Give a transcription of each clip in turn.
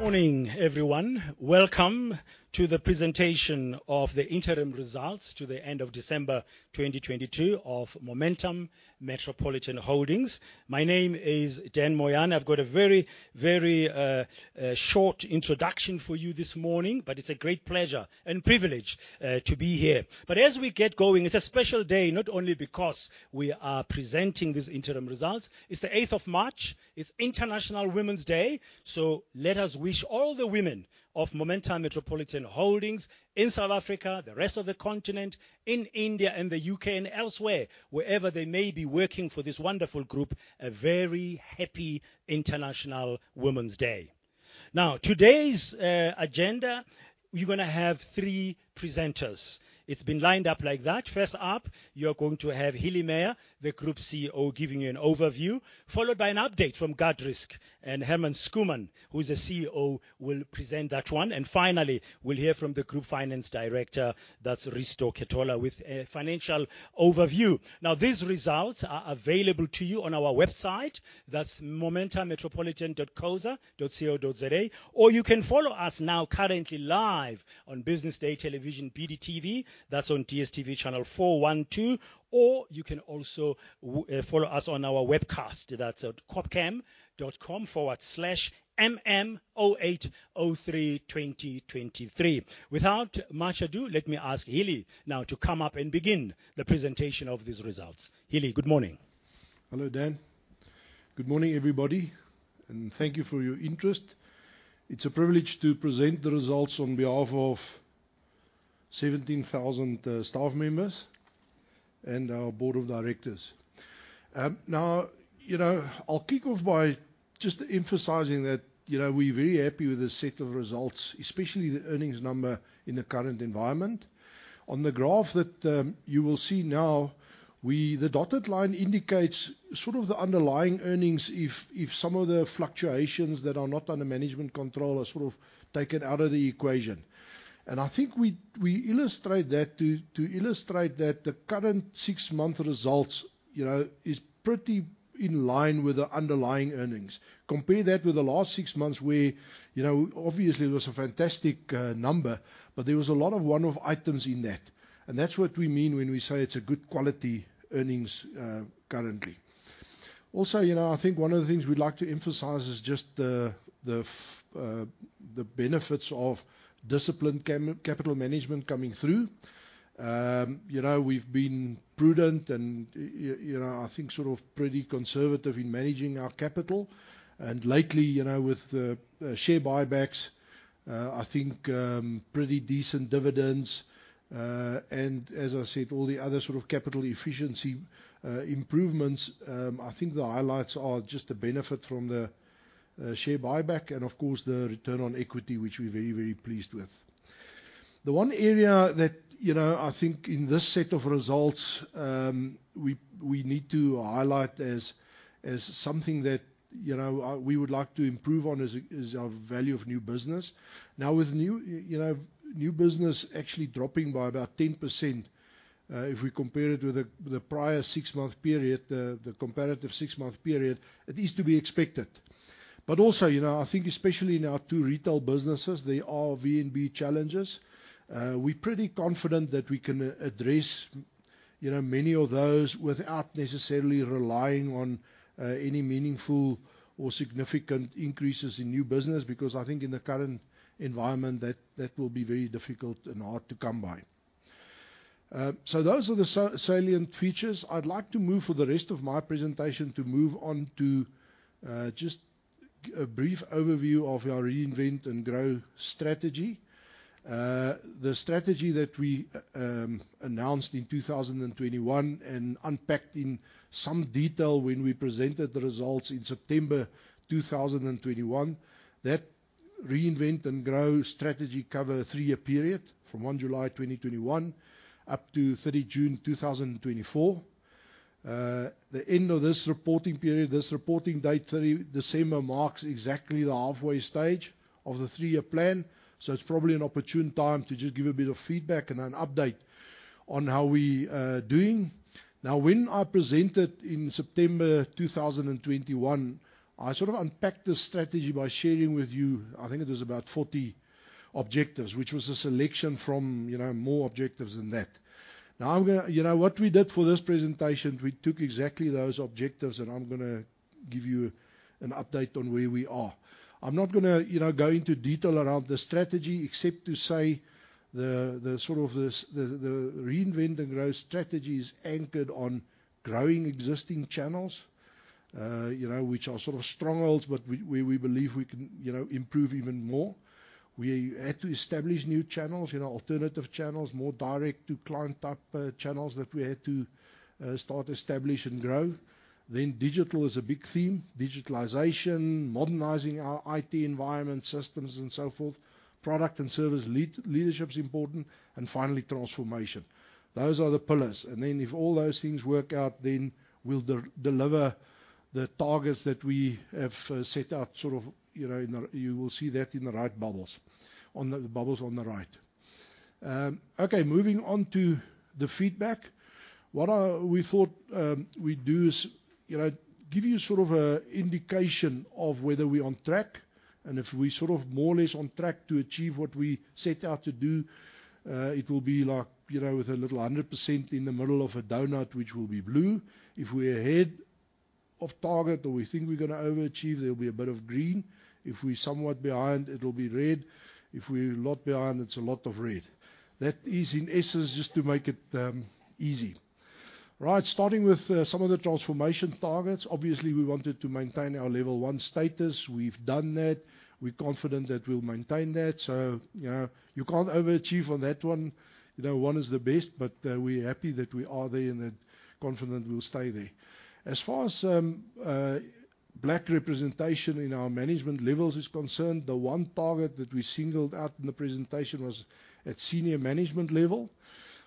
Morning, everyone. Welcome to the presentation of the interim results to the end of December 2022 of Momentum Metropolitan Holdings. My name is Dan Moyane. I've got a very, very short introduction for you this morning, but it's a great pleasure and privilege to be here. As we get going, it's a special day, not only because we are presenting these interim results. It's the 8th of March. It's International Women's Day, let us wish all the women of Momentum Metropolitan Holdings in South Africa, the rest of the continent, in India and the U.K., and elsewhere, wherever they may be working for this wonderful group, a very happy International Women's Day. Today's agenda, we're gonna have three presenters. It's been lined up like that. First up, you're going to have Hillie Meyer, the Group CEO, giving you an overview, followed by an update from Guardrisk. Herman Schoeman, who is the CEO, will present that one. Finally, we'll hear from the group finance director, that's Risto Ketola, with a financial overview. These results are available to you on our website. That's momentummetropolitan.co.za. You can follow us now currently live on Business Day Television, BDTV, that's on DStv channel 412, or you can also follow us on our webcast. That's at Corpcam.com/mm08032023. Without much ado, let me ask Hillie now to come up and begin the presentation of these results. Hillie, good morning. Hello, Dan. Good morning, everybody, thank you for your interest. It's a privilege to present the results on behalf of 17,000 staff members and our board of directors. Now, you know, I'll kick off by just emphasizing that, you know, we're very happy with the set of results, especially the earnings number in the current environment. On the graph that, you will see now, the dotted line indicates sort of the underlying earnings if some of the fluctuations that are not under management control are sort of taken out of the equation. I think we illustrate that to illustrate that the current six-month results, you know, is pretty in line with the underlying earnings. Compare that with the last six months where, you know, obviously it was a fantastic number, but there was a lot of one-off items in that. That's what we mean when we say it's a good quality earnings currently. You know, I think one of the things we'd like to emphasize is just the benefits of disciplined capital management coming through. You know, we've been prudent and you know, I think sort of pretty conservative in managing our capital. Lately, you know, with the share buybacks, I think pretty decent dividends. As I said, all the other sort of capital efficiency improvements, I think the highlights are just the benefit from the share buyback and of course, the return on equity, which we're very, very pleased with. The one area that, you know, I think in this set of results, we need to highlight as something that, you know, we would like to improve on is our value of new business. Now with new business actually dropping by about 10%, if we compare it with the prior six-month period, the comparative six-month period, it is to be expected. Also, you know, I think especially in our two retail businesses, there are VNB challenges. We're pretty confident that we can address, you know, many of those without necessarily relying on any meaningful or significant increases in new business, because I think in the current environment that will be very difficult and hard to come by. Those are the salient features. I'd like to move for the rest of my presentation to move on to just a brief overview of our Reinvent and Grow strategy. The strategy that we announced in 2021 and unpacked in some detail when we presented the results in September 2021. That Reinvent and Grow strategy cover a three-year period from 1 July 2021 up to 30 June 2024. The end of this reporting period, this reporting date, December, marks exactly the halfway stage of the three-year plan, so it's probably an opportune time to just give a bit of feedback and an update on how we doing. When I presented in September 2021, I sort of unpacked this strategy by sharing with you, I think it was about 40 objectives, which was a selection from, you know, more objectives than that. I'm gonna, you know, what we did for this presentation, we took exactly those objectives, and I'm gonna give you an update on where we are. I'm not gonna, you know, go into detail around the strategy except to say the sort of the Reinvent and Grow strategy is anchored on growing existing channels, you know, which are sort of strongholds, but we believe we can, you know, improve even more. We had to establish new channels, you know, alternative channels, more direct-to-client type channels that we had to start, establish and grow. Digital is a big theme. Digitalization, modernizing our IT environment systems and so forth. Product and service leadership is important. Finally, transformation. Those are the pillars. If all those things work out, then we'll deliver the targets that we have set out, sort of, you know. You will see that in the right bubbles on the right. Okay, moving on to the feedback. What we thought we'd do is, you know, give you sort of a indication of whether we're on track, and if we're sort of more or less on track to achieve what we set out to do. It will be like, you know, with a little 100% in the middle of a donut, which will be blue. If we're ahead of target or we think we're gonna overachieve, there'll be a bit of green. If we're somewhat behind, it'll be red. If we're a lot behind, it's a lot of red. That is in essence, just to make it easy. Right. Starting with some of the transformation targets. Obviously, we wanted to maintain our level one status. We've done that. We're confident that we'll maintain that. You know, you can't overachieve on that one. You know, one is the best, but we're happy that we are there and that confident we'll stay there. As far as Black representation in our management levels is concerned, the one target that we singled out in the presentation was at senior management level.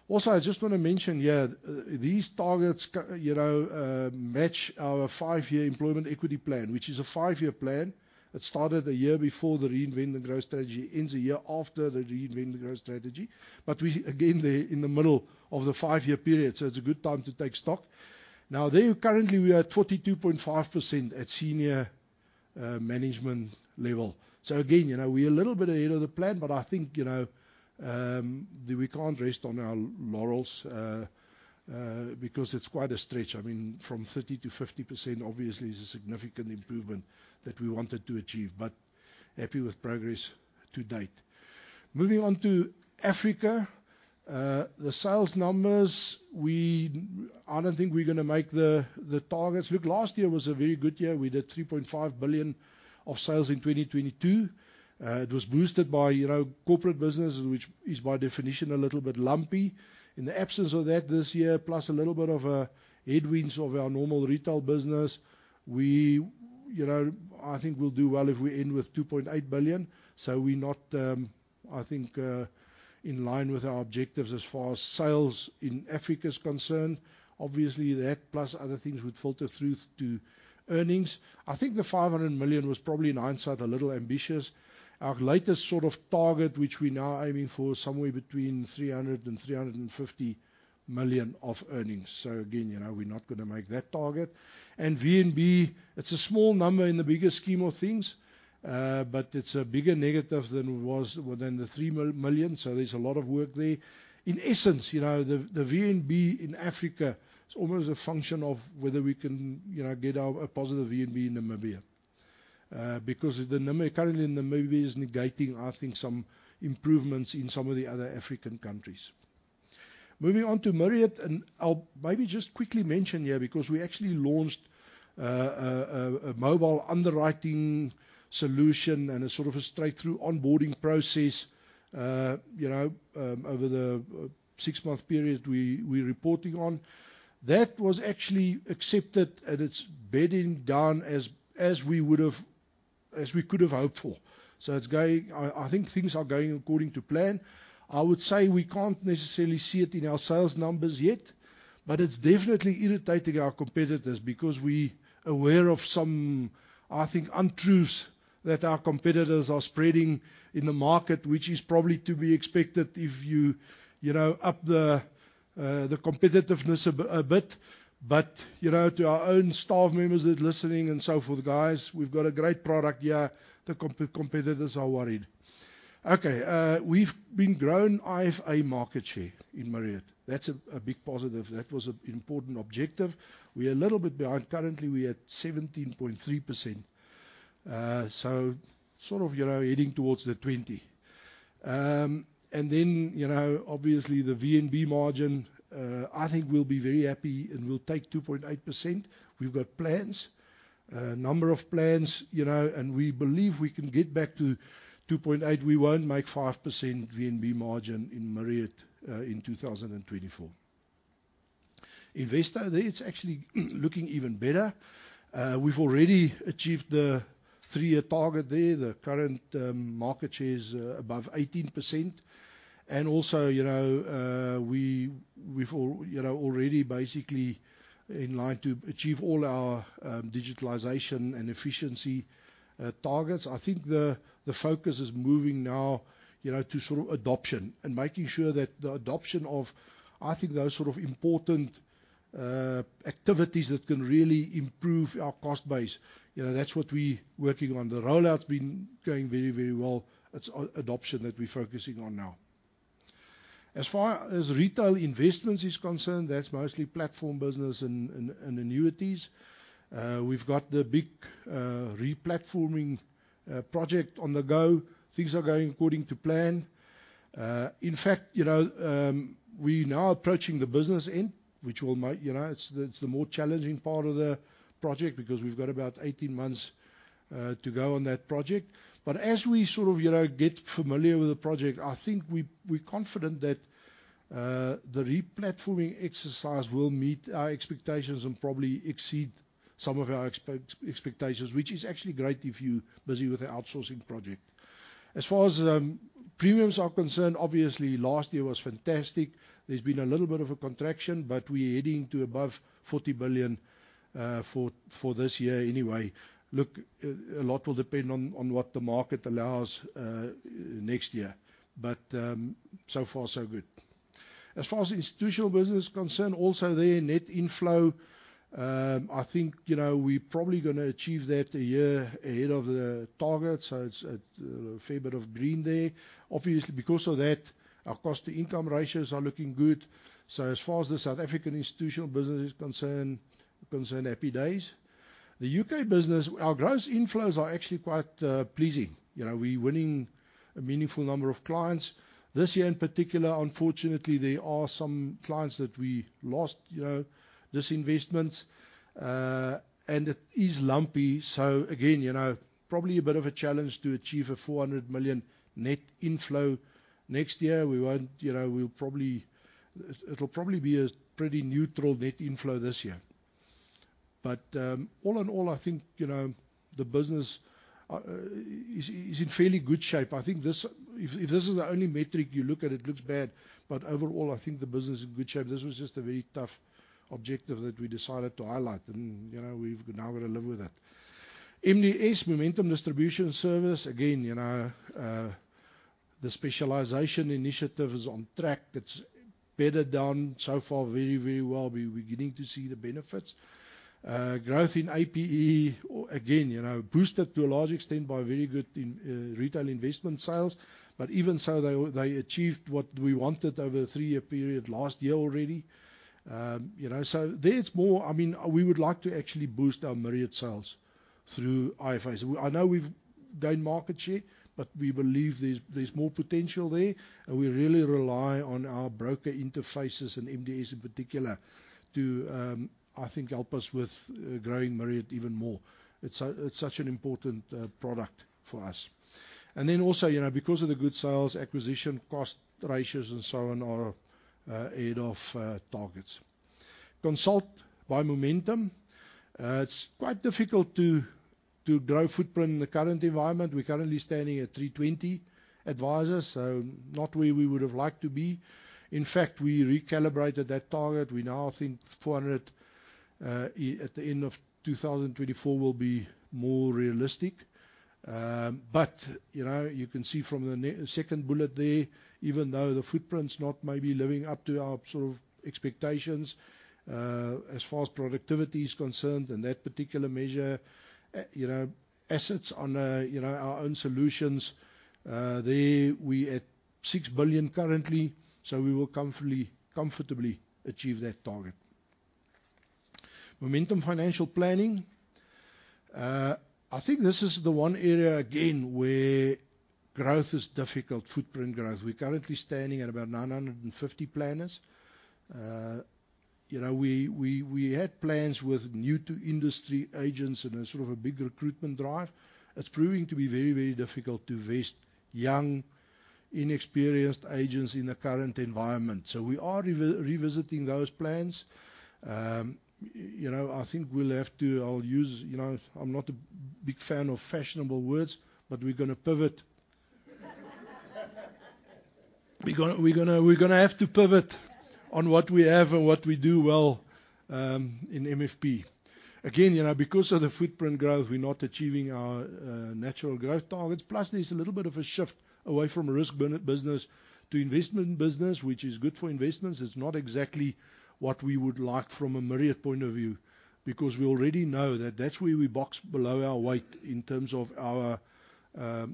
Also, I just wanna mention here, these targets you know, match our five-year employment equity plan, which is a five-year plan. It started a year before the Reinvent the Growth Strategy, ends a year after the Reinvent the Growth Strategy. We're, again, they're in the middle of the five-year period, so it's a good time to take stock. Currently we are at 42.5% at senior management level. Again, you know, we're a little bit ahead of the plan, but I think, you know, that we can't rest on our laurels because it's quite a stretch. I mean, from 30%-50% obviously is a significant improvement that we wanted to achieve, but happy with progress to date. Moving on to Africa. The sales numbers, I don't think we're gonna make the targets. Look, last year was a very good year. We did 3.5 billion of sales in 2022. It was boosted by, you know, corporate business, which is by definition a little bit lumpy. In the absence of that this year, plus a little bit of headwinds of our normal retail business, we, you know, I think we'll do well if we end with 2.8 billion. We're not, I think, in line with our objectives as far as sales in Africa is concerned. Obviously, that plus other things would filter through to earnings. I think the 500 million was probably in hindsight, a little ambitious. Our latest sort of target, which we're now aiming for, is somewhere between 300 million-350 million of earnings. Again, you know, we're not gonna make that target. VNB, it's a small number in the bigger scheme of things, but it's a bigger negative than it was within the 3 million. There's a lot of work there. In essence, you know, the VNB in Africa is almost a function of whether we can, you know, get a positive VNB in Namibia. Because the number currently in Namibia is negating, I think, some improvements in some of the other African countries. Moving on to Myriad, and I'll maybe just quickly mention here because we actually launched a mobile underwriting solution and a sort of a straight-through onboarding process. You know, over the six-month period we're reporting on. That was actually accepted and it's bedding down as we could've hoped for. It's going... I think things are going according to plan. I would say we can't necessarily see it in our sales numbers yet, but it's definitely irritating our competitors because we aware of some, I think, untruths that our competitors are spreading in the market, which is probably to be expected if you know, up the competitiveness a bit. You know, to our own staff members that are listening and so forth, guys, we've got a great product here. The competitors are worried. Okay, we've been growing IFA market share in Myriad. That's a big positive. That was an important objective. We're a little bit behind. Currently, we're at 17.3%. Sort of, you know, heading towards the 20%. Then, you know, obviously the VNB margin, I think we'll be very happy and we'll take 2.8%. We've got plans. A number of plans, you know, and we believe we can get back to 2.8%. We won't make 5% VNB margin in Myriad in 2024. Investo, there it's actually looking even better. We've already achieved the 3-year target there. The current market share is above 18%. Also, you know, we, you know, already basically in line to achieve all our digitalization and efficiency targets. I think the focus is moving now, you know, to sort of adoption and making sure that the adoption of, I think, those sort of important activities that can really improve our cost base. You know, that's what we working on. The rollout's been going very well. It's adoption that we're focusing on now. As far as retail investments is concerned, that's mostly platform business and annuities. We've got the big replatforming project on the go. Things are going according to plan. In fact, you know, we now approaching the business end. You know, it's the more challenging part of the project because we've got about 18 months to go on that project. As we sort of, you know, get familiar with the project, I think we're confident that the replatforming exercise will meet our expectations and probably exceed some of our expectations, which is actually great if you're busy with the outsourcing project. As far as premiums are concerned, obviously last year was fantastic. There's been a little bit of a contraction, but we're heading to above 40 billion for this year anyway. Look, a lot will depend on what the market allows next year. So far so good. As far as institutional business is concerned, also there net inflow, I think, you know, we probably going to achieve that a year ahead of the target. It's a fair bit of green there. Obviously, because of that, our cost-to-income ratios are looking good. As far as the South African institutional business is concerned, happy days. The U.K. business, our gross inflows are actually quite pleasing. You know, we're winning a meaningful number of clients. This year in particular, unfortunately, there are some clients that we lost, you know, disinvestments. It is lumpy, so again, you know, probably a bit of a challenge to achieve a 400 million net inflow next year. We won't, you know, we'll probably be a pretty neutral net inflow this year. All in all, I think, you know, the business is in fairly good shape. I think if this is the only metric you look at, it looks bad, but overall I think the business is in good shape. This was just a very tough objective that we decided to highlight and, you know, we've now gotta live with that. MDS, Momentum Distribution Services, again, you know, the specialization initiative is on track. It's bedded down so far very, very well. We're beginning to see the benefits. Growth in APE, again, you know, boosted to a large extent by very good retail investment sales, but even so, they achieved what we wanted over a three-year period last year already. You know, there it's more... We would like to actually boost our Myriad sales through IFAs. I know we've gained market share, but we believe there's more potential there, and we really rely on our broker interfaces and MDS in particular to, I think help us with, growing Myriad even more. It's such an important product for us. Then also, you know, because of the good sales acquisition cost ratios and so on are ahead of targets. Consult by Momentum. It's quite difficult to grow footprint in the current environment. We're currently standing at 320 advisers, so not where we would've liked to be. In fact, we recalibrated that target. We now think 400 at the end of 2024 will be more realistic. You know, you can see from the second bullet there, even though the footprint's not maybe living up to our sort of expectations, as far as productivity is concerned and that particular measure, you know, assets on, you know, our own solutions, there we at 6 billion currently, so we will comfortably achieve that target. Momentum Financial Planning. I think this is the one area again where growth is difficult, footprint growth. We're currently standing at about 950 planners. You know, we had plans with new-to-industry agents and a sort of a big recruitment drive. It's proving to be very, very difficult to vest young, inexperienced agents in the current environment. We are revisiting those plans. You know, I think we'll have to... I'll use, you know, I'm not a big fan of fashionable words, but we're gonna pivot. We're gonna have to pivot on what we have and what we do well in MFP. Again, you know, because of the footprint growth, we're not achieving our natural growth targets. There's a little bit of a shift away from risk business to investment business, which is good for investments. It's not exactly what we would like from a Myriad point of view, because we already know that that's where we box below our weight in terms of our,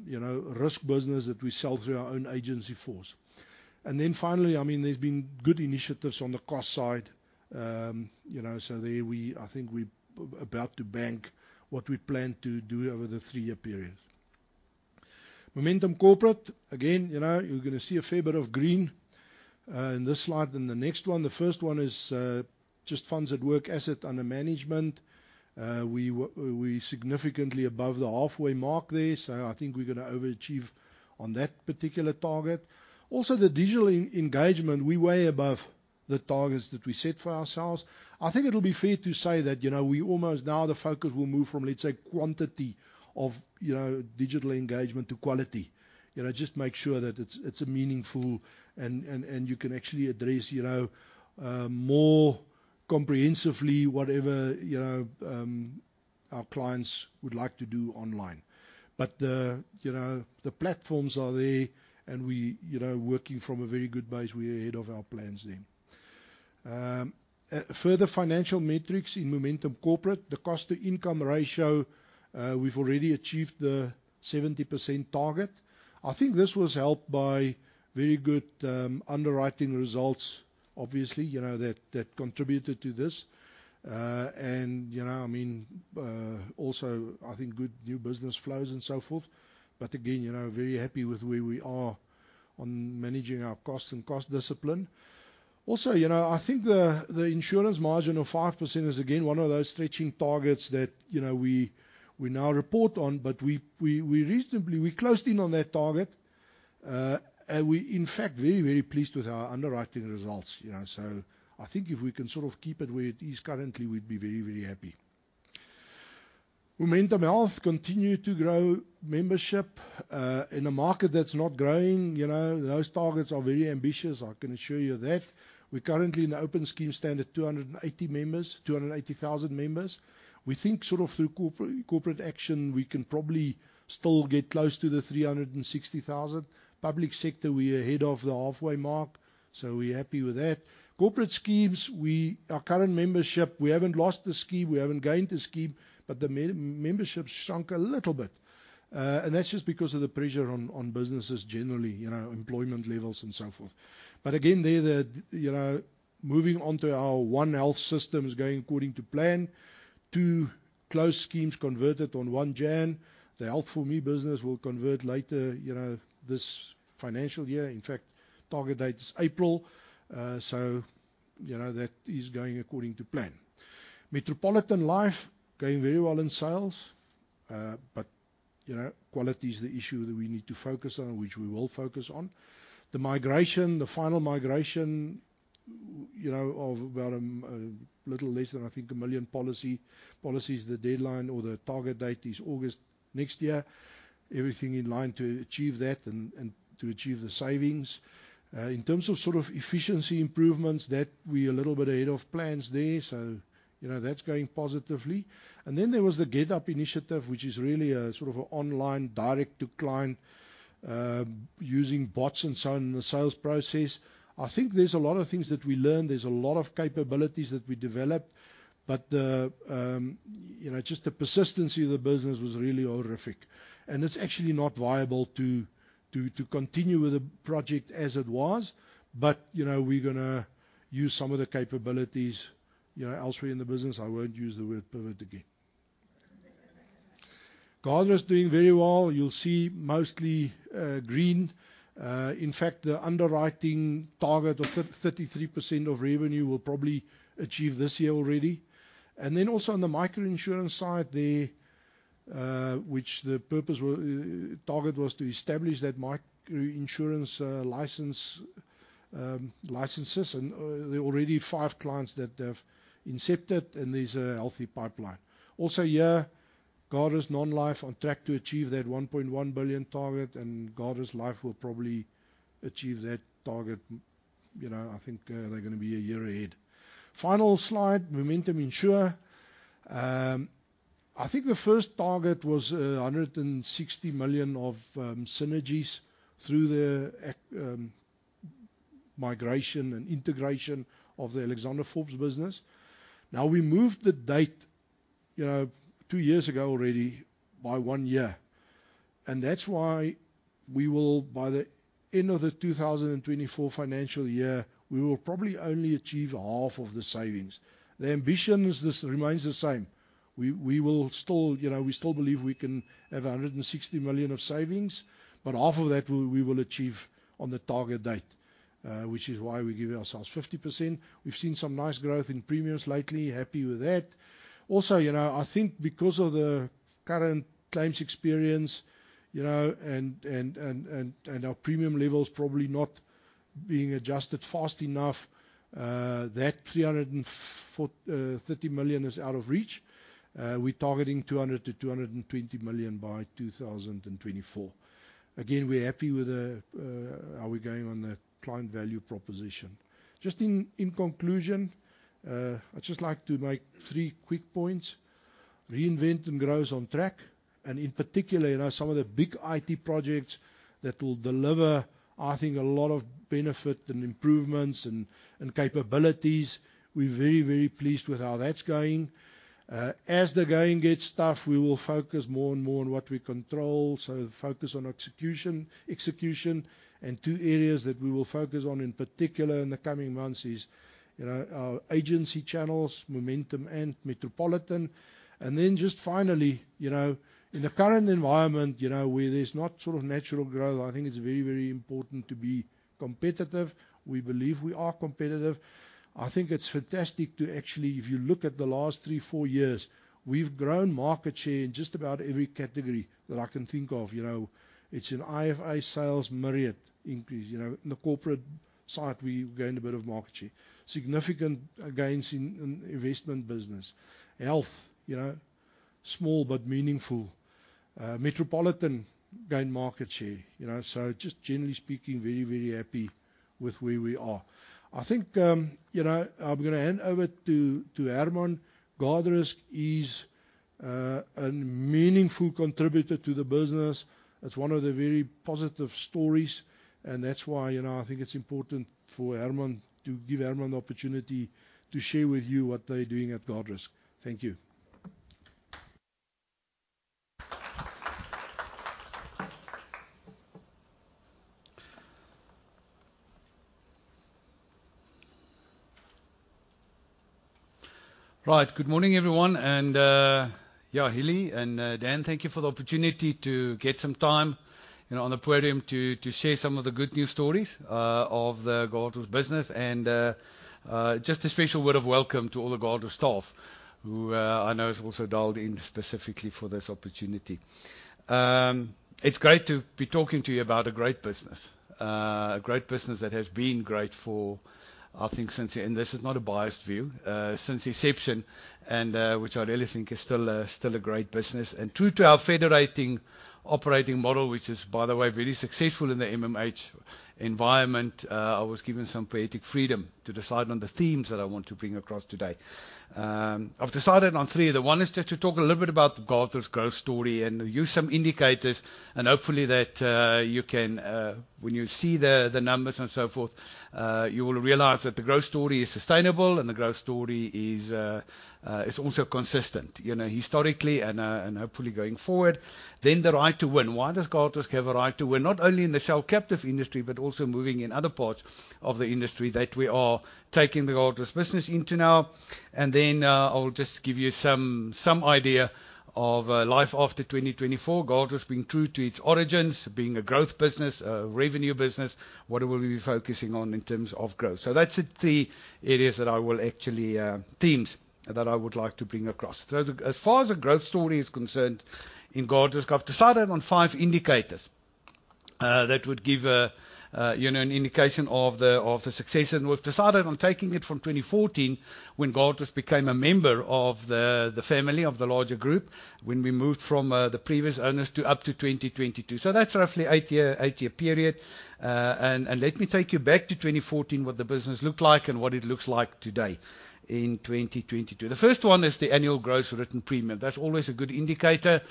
you know, risk business that we sell through our own agency force. Finally, I mean, there's been good initiatives on the cost side. You know, so I think we about to bank what we plan to do over the three-year period. Momentum Corporate. Again, you know, you're gonna see a fair bit of green in this slide and the next one. The first one is just FundsAtWork, asset under management. We significantly above the halfway mark there, so I think we're gonna overachieve on that particular target. Also, the digital engagement, we way above the targets that we set for ourselves. I think it'll be fair to say that, you know, we almost now the focus will move from, let's say, quantity of, you know, digital engagement to quality. You know, just make sure that it's a meaningful and you can actually address, you know, more comprehensively whatever, you know, our clients would like to do online. The, you know, the platforms are there and we, you know, working from a very good base. We're ahead of our plans there. Further financial metrics in Momentum Corporate. The cost-to-income ratio, we've already achieved the 70% target. I think this was helped by very good underwriting results, obviously, you know, that contributed to this. You know, I mean, also I think good new business flows and so forth. Again, you know, very happy with where we are on managing our costs and cost discipline. You know, I think the insurance margin of 5% is again one of those stretching targets that, you know, we now report on, but we reasonably closed in on that target. We in fact very pleased with our underwriting results, you know. I think if we can sort of keep it where it is currently, we'd be very happy. Momentum Health continue to grow membership in a market that's not growing. You know, those targets are very ambitious, I can assure you of that. We're currently in the open scheme stand at 280 members, 280,000 members. We think sort of through corporate action, we can probably still get close to the 360,000. Public sector, we are ahead of the halfway mark, so we're happy with that. Corporate schemes, our current membership, we haven't lost the scheme, we haven't gained the scheme, but the membership shrunk a little bit. That's just because of the pressure on businesses generally, you know, employment levels and so forth. Again, there the, you know, moving on to our one health system is going according to plan. Two close schemes converted on 1 January. The Health4Me business will convert later, you know, this financial year. In fact, target date is April. You know, that is going according to plan. Metropolitan Life going very well in sales, but, you know, quality is the issue that we need to focus on, which we will focus on. The migration, the final migration, you know, of about little less than I think 1 million policies. The deadline or the target date is August next year. Everything in line to achieve that and to achieve the savings. In terms of sort of efficiency improvements, that we a little bit ahead of plans there, so, you know, that's going positively. There was the GetUp initiative, which is really a sort of a online direct to client, using bots and so on in the sales process. I think there's a lot of things that we learned. There's a lot of capabilities that we developed, but the, you know, just the persistency of the business was really horrific. It's actually not viable to continue with the project as it was. You know, we're gonna use some of the capabilities, you know, elsewhere in the business. I won't use the word pivot again. Guardrisk is doing very well. You'll see mostly green. In fact, the underwriting target of 33% of revenue we'll probably achieve this year already. Also on the microinsurance side there, which the purpose target was to establish that microinsurance license licenses. There are already five clients that have incepted, and there's a healthy pipeline. Also here, Guardrisk Non-Life on track to achieve that 1.1 billion target. Guardrisk Life will probably achieve that target, you know, I think, they're gonna be a year ahead. Final slide, Momentum Insure. I think the first target was 160 million of synergies through the migration and integration of the Alexander Forbes business. We moved the date, you know, two years ago already by one year. That's why we will by the end of the 2024 financial year, we will probably only achieve half of the savings. The ambition is this remains the same. We will still, you know, we still believe we can have 160 million of savings, but half of that we will achieve on the target date, which is why we're giving ourselves 50%. We've seen some nice growth in premiums lately. Happy with that. You know, I think because of the current claims experience, you know, and our premium levels probably not being adjusted fast enough, that 30 million is out of reach. We're targeting 200 million-220 million by 2024. We're happy with the how we're going on the client value proposition. Just in conclusion, I'd just like to make three quick points. Reinvent and Grow is on track, in particular, you know, some of the big IT projects that will deliver, I think, a lot of benefit and improvements and capabilities. We're very pleased with how that's going. As the going gets tough, we will focus more and more on what we control, focus on execution. Two areas that we will focus on in particular in the coming months is, you know, our agency channels, Momentum and Metropolitan. Then just finally, you know, in the current environment, you know, where there's not sort of natural growth, I think it's very, very important to be competitive. We believe we are competitive. I think it's fantastic to actually. If you look at the last three, four years, we've grown market share in just about every category that I can think of. You know, it's in IFA, sales Myriad increase. You know, in the corporate side, we've gained a bit of market share. Significant gains in investment business. Health, you know, small but meaningful. Metropolitan gained market share. You know, just generally speaking, very, very happy with where we are. I think, you know, I'm gonna hand over to Herman. Guardrisk is a meaningful contributor to the business. It's one of the very positive stories, and that's why, you know, I think it's important for Herman, to give Herman the opportunity to share with you what they're doing at Guardrisk. Thank you. Right. Good morning, everyone. Yeah, Hillie and Dan, thank you for the opportunity to get some time, you know, on the podium to share some of the good news stories of the Guardrisk business. Just a special word of welcome to all the Guardrisk staff who I know has also dialed in specifically for this opportunity. It's great to be talking to you about a great business. A great business that has been great for I think since... This is not a biased view, since inception, and, which I really think is still a great business. True to our federating operating model, which is, by the way, very successful in the MMH- Environment, I was given some poetic freedom to decide on the themes that I want to bring across today. I've decided on three. The one is just to talk a little bit about the Guardrisk growth story and use some indicators, and hopefully that you can when you see the numbers and so forth, you will realize that the growth story is sustainable and the growth story is also consistent, you know, historically and hopefully going forward. The right to win. Why does Guardrisk have a right to win not only in the cell captive industry, but also moving in other parts of the industry that we are taking the Guardrisk business into now? I'll just give you some idea of life after 2024. Guardrisk being true to its origins, being a growth business, a revenue business, what will we be focusing on in terms of growth? That's the three areas that I will actually themes that I would like to bring across. As far as the growth story is concerned in Guardrisk, I've decided on five indicators that would give a, you know, an indication of the, of the success. We've decided on taking it from 2014 when Guardrisk became a member of the family of the larger group, when we moved from the previous owners to up to 2022. That's roughly eight-year period. Let me take you back to 2014, what the business looked like and what it looks like today in 2022. The first one is the annual gross written premium. That's always a good indicator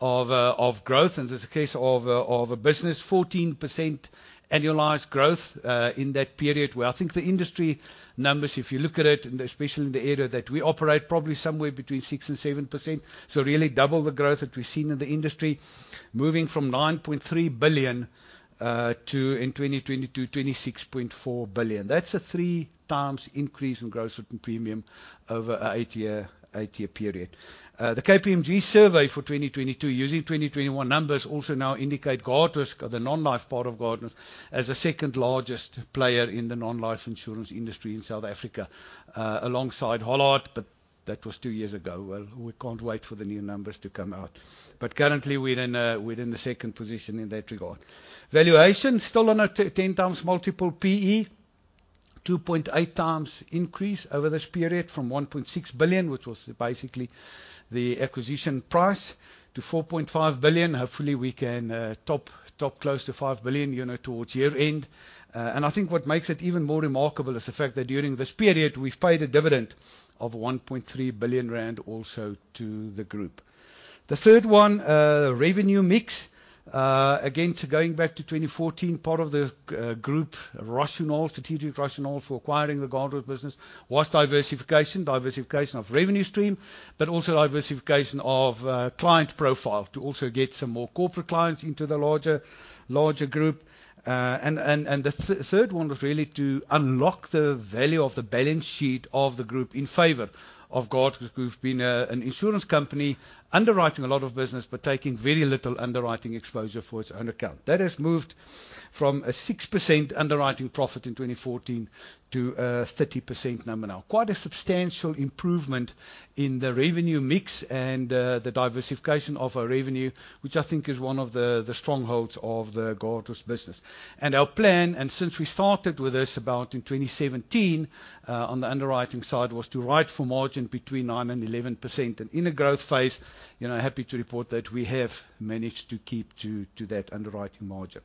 of growth. There's a case of a business 14% annualized growth in that period, where I think the industry numbers, if you look at it, especially in the area that we operate, probably somewhere between 6%-7%. Really double the growth that we've seen in the industry, moving from 9.3 billion to in 2020 to 26.4 billion. That's a 3x increase in gross written premium over a eight-year period. The KPMG survey for 2022 using 2021 numbers also now indicate Guardrisk, the non-life part of Guardrisk, as the second largest player in the non-life insurance industry in South Africa, alongside Hollard. That was two years ago. Well, we can't wait for the new numbers to come out. Currently, we're in the second position in that regard. Valuation. Still on a 10x multiple PE. 2.8x increase over this period from 1.6 billion, which was basically the acquisition price, to 4.5 billion. Hopefully, we can top close to 5 billion, you know, towards year-end. And I think what makes it even more remarkable is the fact that during this period, we've paid a dividend of 1.3 billion rand also to the group. The third one, revenue mix. Again, going back to 2014, part of the group rationale, strategic rationale for acquiring the Guardrisk business was diversification. Diversification of revenue stream, but also diversification of client profile to also get some more corporate clients into the larger group. The third one was really to unlock the value of the balance sheet of the group in favor of Guardrisk who've been an insurance company underwriting a lot of business but taking very little underwriting exposure for its own account. That has moved from a 6% underwriting profit in 2014 to a 30% number now. Quite a substantial improvement in the revenue mix and the diversification of our revenue, which I think is one of the strongholds of the Guardrisk business. Our plan, and since we started with this about in 2017, on the underwriting side, was to write for margin between 9%-11%. In the growth phase, you know, happy to report that we have managed to keep to that underwriting margin.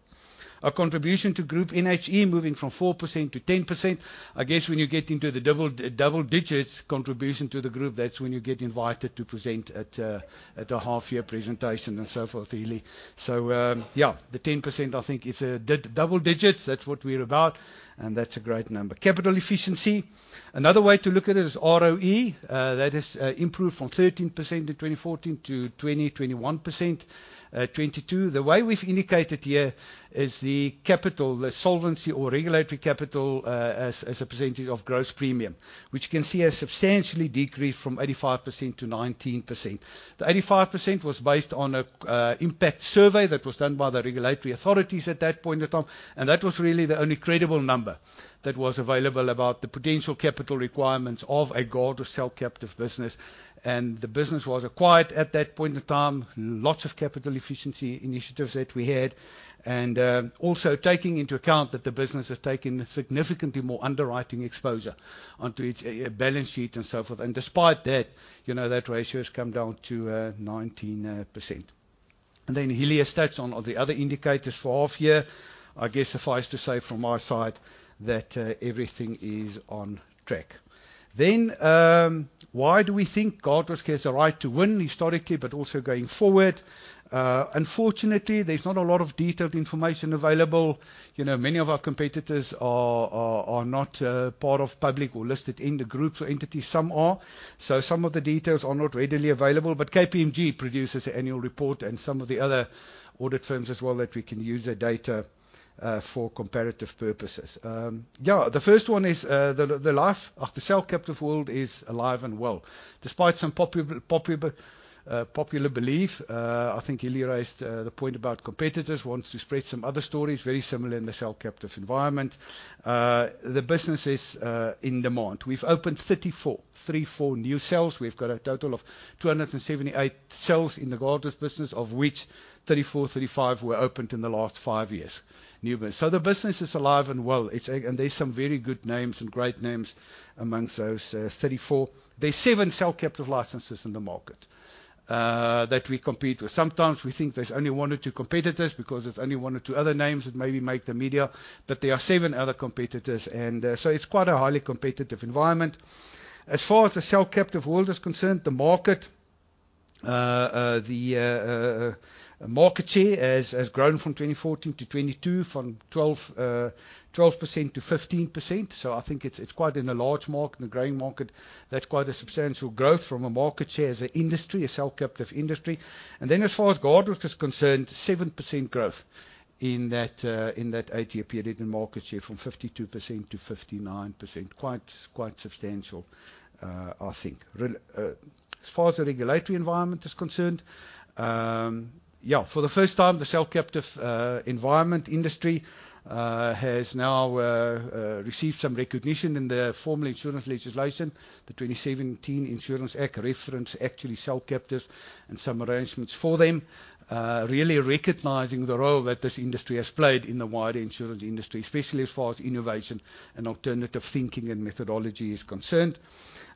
Our contribution to group NHE moving from 4% to 10%. I guess when you get into the double digits contribution to the group, that's when you get invited to present at a half-year presentation and so forth, really. Yeah, the 10% I think is a double digits. That's what we're about, and that's a great number. Capital efficiency. Another way to look at it is ROE. That has improved from 13% in 2014 to 21% 2022. The way we've indicated here is the capital, the solvency or regulatory capital, as a percentage of gross premium, which you can see has substantially decreased from 85% to 19%. The 85% was based on a impact survey that was done by the regulatory authorities at that point in time, and that was really the only credible number that was available about the potential capital requirements of a Guardrisk cell captive business. The business was acquired at that point in time. Lots of capital efficiency initiatives that we had. Also taking into account that the business has taken significantly more underwriting exposure onto its balance sheet and so forth. Despite that, you know, that ratio has come down to 19%. Hillie stats on all the other indicators for half year. I guess suffice to say from my side that everything is on track. Why do we think Guardrisk has a right to win historically but also going forward? Unfortunately, there's not a lot of detailed information available. You know, many of our competitors are not part of public or listed in the groups or entities. Some are. Some of the details are not readily available. KPMG produces an annual report and some of the other audit firms as well that we can use their data for comparative purposes. Yeah, the first one is the cell captive world is alive and well. Despite some popular belief, I think Hillie raised the point about competitors wants to spread some other stories, very similar in the cell captive environment. The business is in demand. We've opened 34 new cells. We've got a total of 278 cells in the Guardrisk business, of which 34, 35 were opened in the last five years. The business is alive and well. There's some very good names and great names amongst those 34. There's seven cell captive licenses in the market that we compete with. Sometimes we think there's only one or two competitors because there's only one or two other names that maybe make the media, but there are seven other competitors, so it's quite a highly competitive environment. As far as the cell captive world is concerned, the market share has grown from 2014 to 2022, from 12% to 15%. I think it's quite in a large market and a growing market. That's quite a substantial growth from a market share as an industry, a cell captive industry. As far as Guardrisk is concerned, 7% growth in that eight-year period in market share from 52% to 59%. Quite substantial, I think. As far as the regulatory environment is concerned, yeah, for the first time, the cell captive environment industry has now received some recognition in the formal insurance legislation. The 2017 Insurance Act reference actually cell captives and some arrangements for them, really recognizing the role that this industry has played in the wider insurance industry, especially as far as innovation and alternative thinking and methodology is concerned.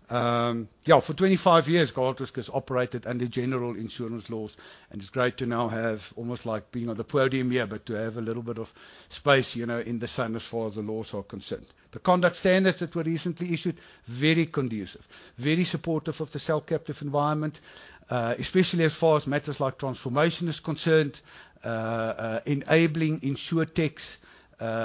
Um, yeah, for twenty-five years, Guardrisk has operated under general insurance laws, and it's great to now have almost like being on the podium here, but to have a little bit of space, you know, in the sun as far as the laws are concerned. The conduct standards that were recently issued, very conducive. Very supportive of the cell captive environment, uh, especially as far as matters like transformation is concerned, uh, uh, enabling insurtechs, uh,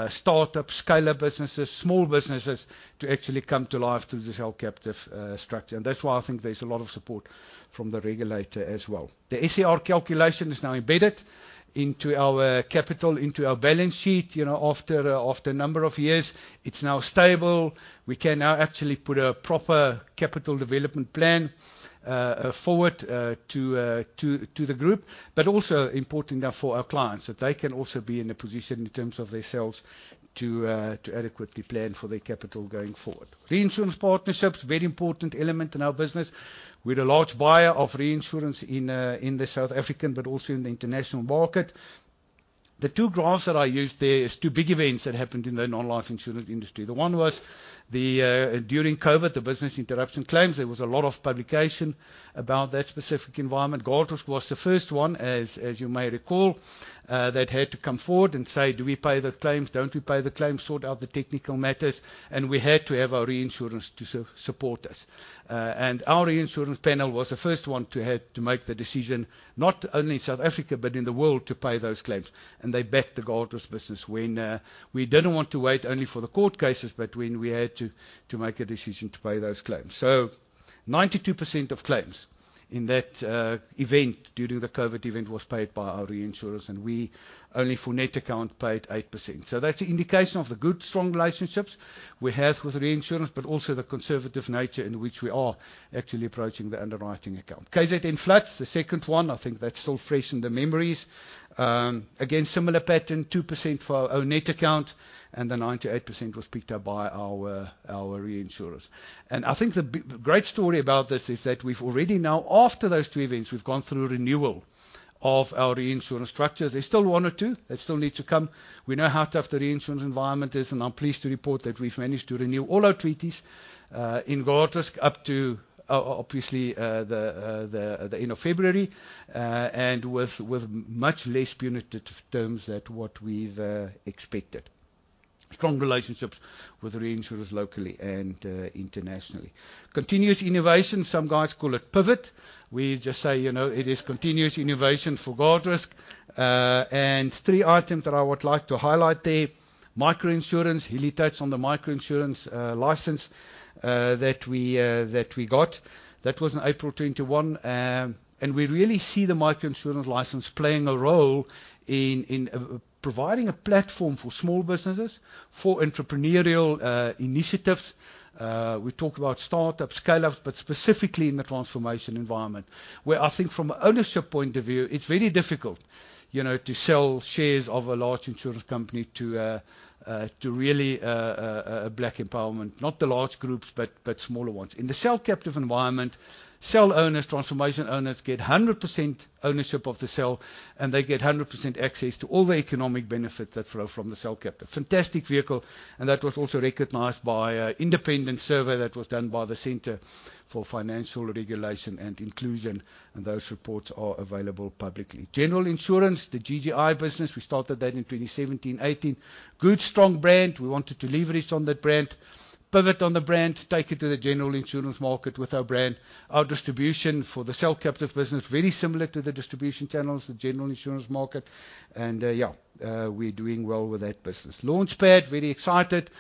startup, scale-up businesses, small businesses to actually come to life through the cell captive, uh, structure. And that's why I think there's a lot of support from the regulator as well. The SCR calculation is now embedded into our capital, into our balance sheet. You know, after, uh, after a number of years, it's now stable. We can now actually put a proper capital development plan forward to the group. Also important now for our clients, that they can also be in a position in terms of themselves to adequately plan for their capital going forward. Reinsurance partnerships, very important element in our business. We're a large buyer of reinsurance in the South African, but also in the international market. The two graphs that I used there is two big events that happened in the non-life insurance industry. The one was the during COVID, the business interruption claims. There was a lot of publication about that specific environment. Guardrisk was the first one as you may recall, that had to come forward and say, "Do we pay the claims? Don't we pay the claims?" Sort out the technical matters, and we had to have our reinsurance to support us. Our reinsurance panel was the first one to have to make the decision, not only in South Africa but in the world, to pay those claims. They backed the Guardrisk business when we didn't want to wait only for the court cases, but when we had to make a decision to pay those claims. 92% of claims in that event during the COVID event was paid by our reinsurers, and we only for net account paid 8%. That's an indication of the good, strong relationships we have with reinsurance, but also the conservative nature in which we are actually approaching the underwriting account. KZN floods, the second one, I think that's still fresh in the memories. Again, similar pattern, 2% for our own net account, then 98% was picked up by our reinsurers. I think the great story about this is that we've already now, after those two events, we've gone through renewal of our reinsurance structure. There's still one or two that still need to come. We know how tough the reinsurance environment is, I'm pleased to report that we've managed to renew all our treaties in Guardrisk up to obviously the end of February, and with much less punitive terms than what we've expected. Strong relationships with reinsurers locally and internationally. Continuous innovation, some guys call it pivot. We just say, you know, it is continuous innovation for Guardrisk. Three items that I would like to highlight there. Microinsurance. Hillie touched on the microinsurance license that we that we got. That was in April 2021. We really see the microinsurance license playing a role in providing a platform for small businesses, for entrepreneurial initiatives. We talked about startups, scale-ups, but specifically in the transformation environment. Where I think from an ownership point of view, it's very difficult, you know, to sell shares of a large insurance company to to really a black empowerment, not the large groups, but smaller ones. In the cell captive environment, cell owners, transformation owners get 100% ownership of the cell, and they get 100% access to all the economic benefits that flow from the cell captive. Fantastic vehicle, and that was also recognized by an independent survey that was done by the Centre for Financial Regulation and Inclusion, and those reports are available publicly. General insurance, the GGI business, we started that in 2017/2018. Good, strong brand. We wanted to leverage on that brand, pivot on the brand, take it to the general insurance market with our brand. Our distribution for the cell captive business, very similar to the distribution channels, the general insurance market. Yeah, we're doing well with that business. LAUNCHPAD, very excited.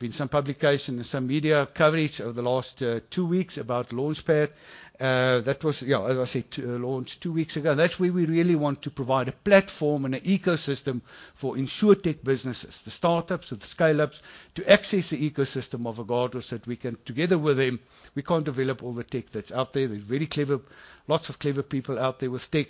Been some publication and some media coverage over the last two weeks about LAUNCHPAD. That was, yeah, as I said, launched two weeks ago. That's where we really want to provide a platform and an ecosystem for insurtech businesses, the startups and the scale-ups, to access the ecosystem of Guardrisk that we can together with them. We can't develop all the tech that's out there. There's lots of clever people out there with tech.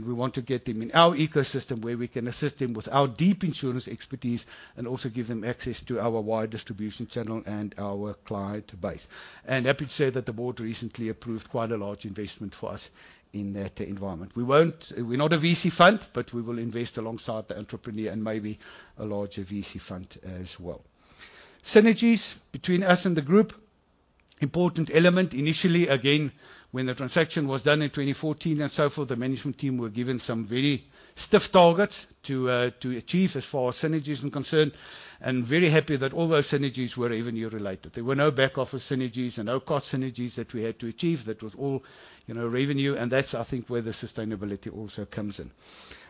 We want to get them in our ecosystem, where we can assist them with our deep insurance expertise and also give them access to our wide distribution channel and our client base. Happy to say that the board recently approved quite a large investment for us in that environment. We're not a VC fund, but we will invest alongside the entrepreneur and maybe a larger VC fund as well. Synergies between us and the group. Important element initially, again, when the transaction was done in 2014 and so forth, the management team were given some very stiff targets to achieve as far as synergies are concerned, and very happy that all those synergies were revenue related. There were no back office synergies and no cost synergies that we had to achieve. That was all, you know, revenue. That's, I think, where the sustainability also comes in.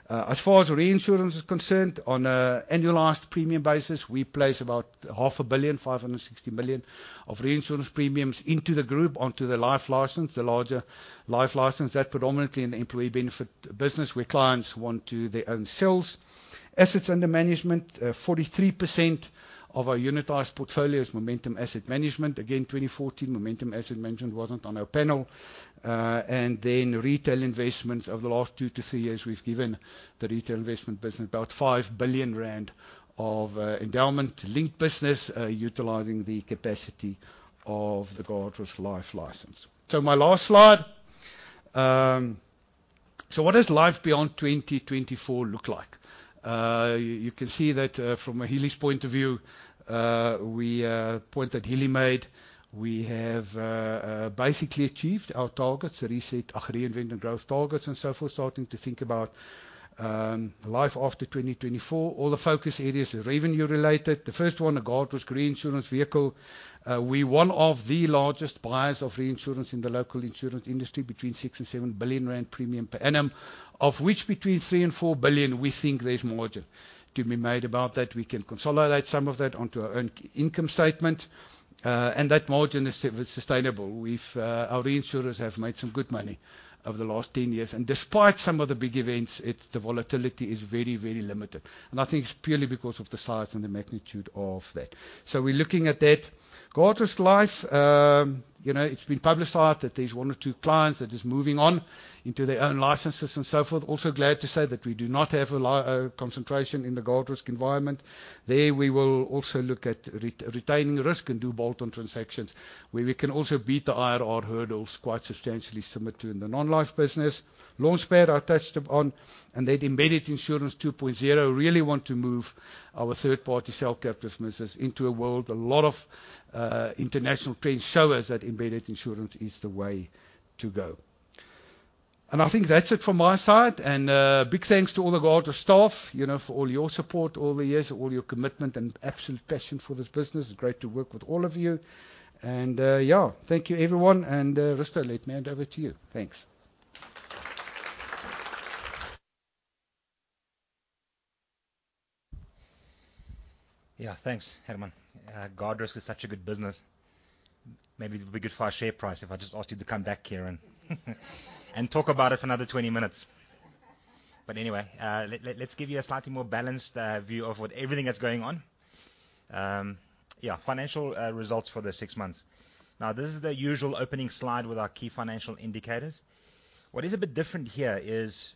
As far as reinsurance is concerned, on a annualized premium basis, we place about 500 million, 560 million of reinsurance premiums into the group onto the life license, the larger life license that predominantly in the employee benefit business, where clients want to their own sales. Assets under management, 43% of our unitized portfolio is Momentum Asset Management. Again, 2014, Momentum Asset Management wasn't on our panel. Retail investments. Over the last two to three years, we've given the retail investment business about 5 billion rand of endowment-link business, utilizing the capacity of the Guardrisk Life license. My last slide. So what does life beyond 2024 look like? You can see that from a Hillie's point of view, we point that Hillie made, we have basically achieved our targets, the Reinvent and Grow targets and so forth, starting to think about life after 2024. All the focus areas are revenue-related. The first one, the Guardrisk reinsurance vehicle. We're one of the largest buyers of reinsurance in the local insurance industry, between 6 billion-7 billion rand premium per annum, of which between 3 billion-4 billion we think there's margin to be made about that. We can consolidate some of that onto our own income statement, and that margin is sustainable. We've, our reinsurers have made some good money over the last 10 years, and despite some of the big events, the volatility is very, very limited. I think it's purely because of the size and the magnitude of that. We're looking at that. Guardrisk Life, you know, it's been publicized that there's one or two clients that is moving on into their own licenses and so forth. Glad to say that we do not have a concentration in the Guardrisk environment. There we will also look at retaining risk and do bolt-on transactions where we can also beat the IRR hurdles quite substantially, similar to in the non-life business. Loanspare I touched upon, and that embedded insurance 2.0 really want to move our third-party cell captive business into a world. A lot of international trends show us that embedded insurance is the way to go. I think that's it from my side. Big thanks to all the Guardrisk staff, you know, for all your support all the years, all your commitment and absolute passion for this business. It's great to work with all of you. Yeah, thank you everyone. Risto, let me hand over to you. Thanks. Yeah. Thanks, Herman. Guardrisk is such a good business. Maybe it would be good for our share price if I just asked you to come back here and talk about it for another 20 minutes. Anyway, let's give you a slightly more balanced view of what everything that's going on. Yeah, financial results for the six months. Now, this is the usual opening slide with our key financial indicators. What is a bit different here is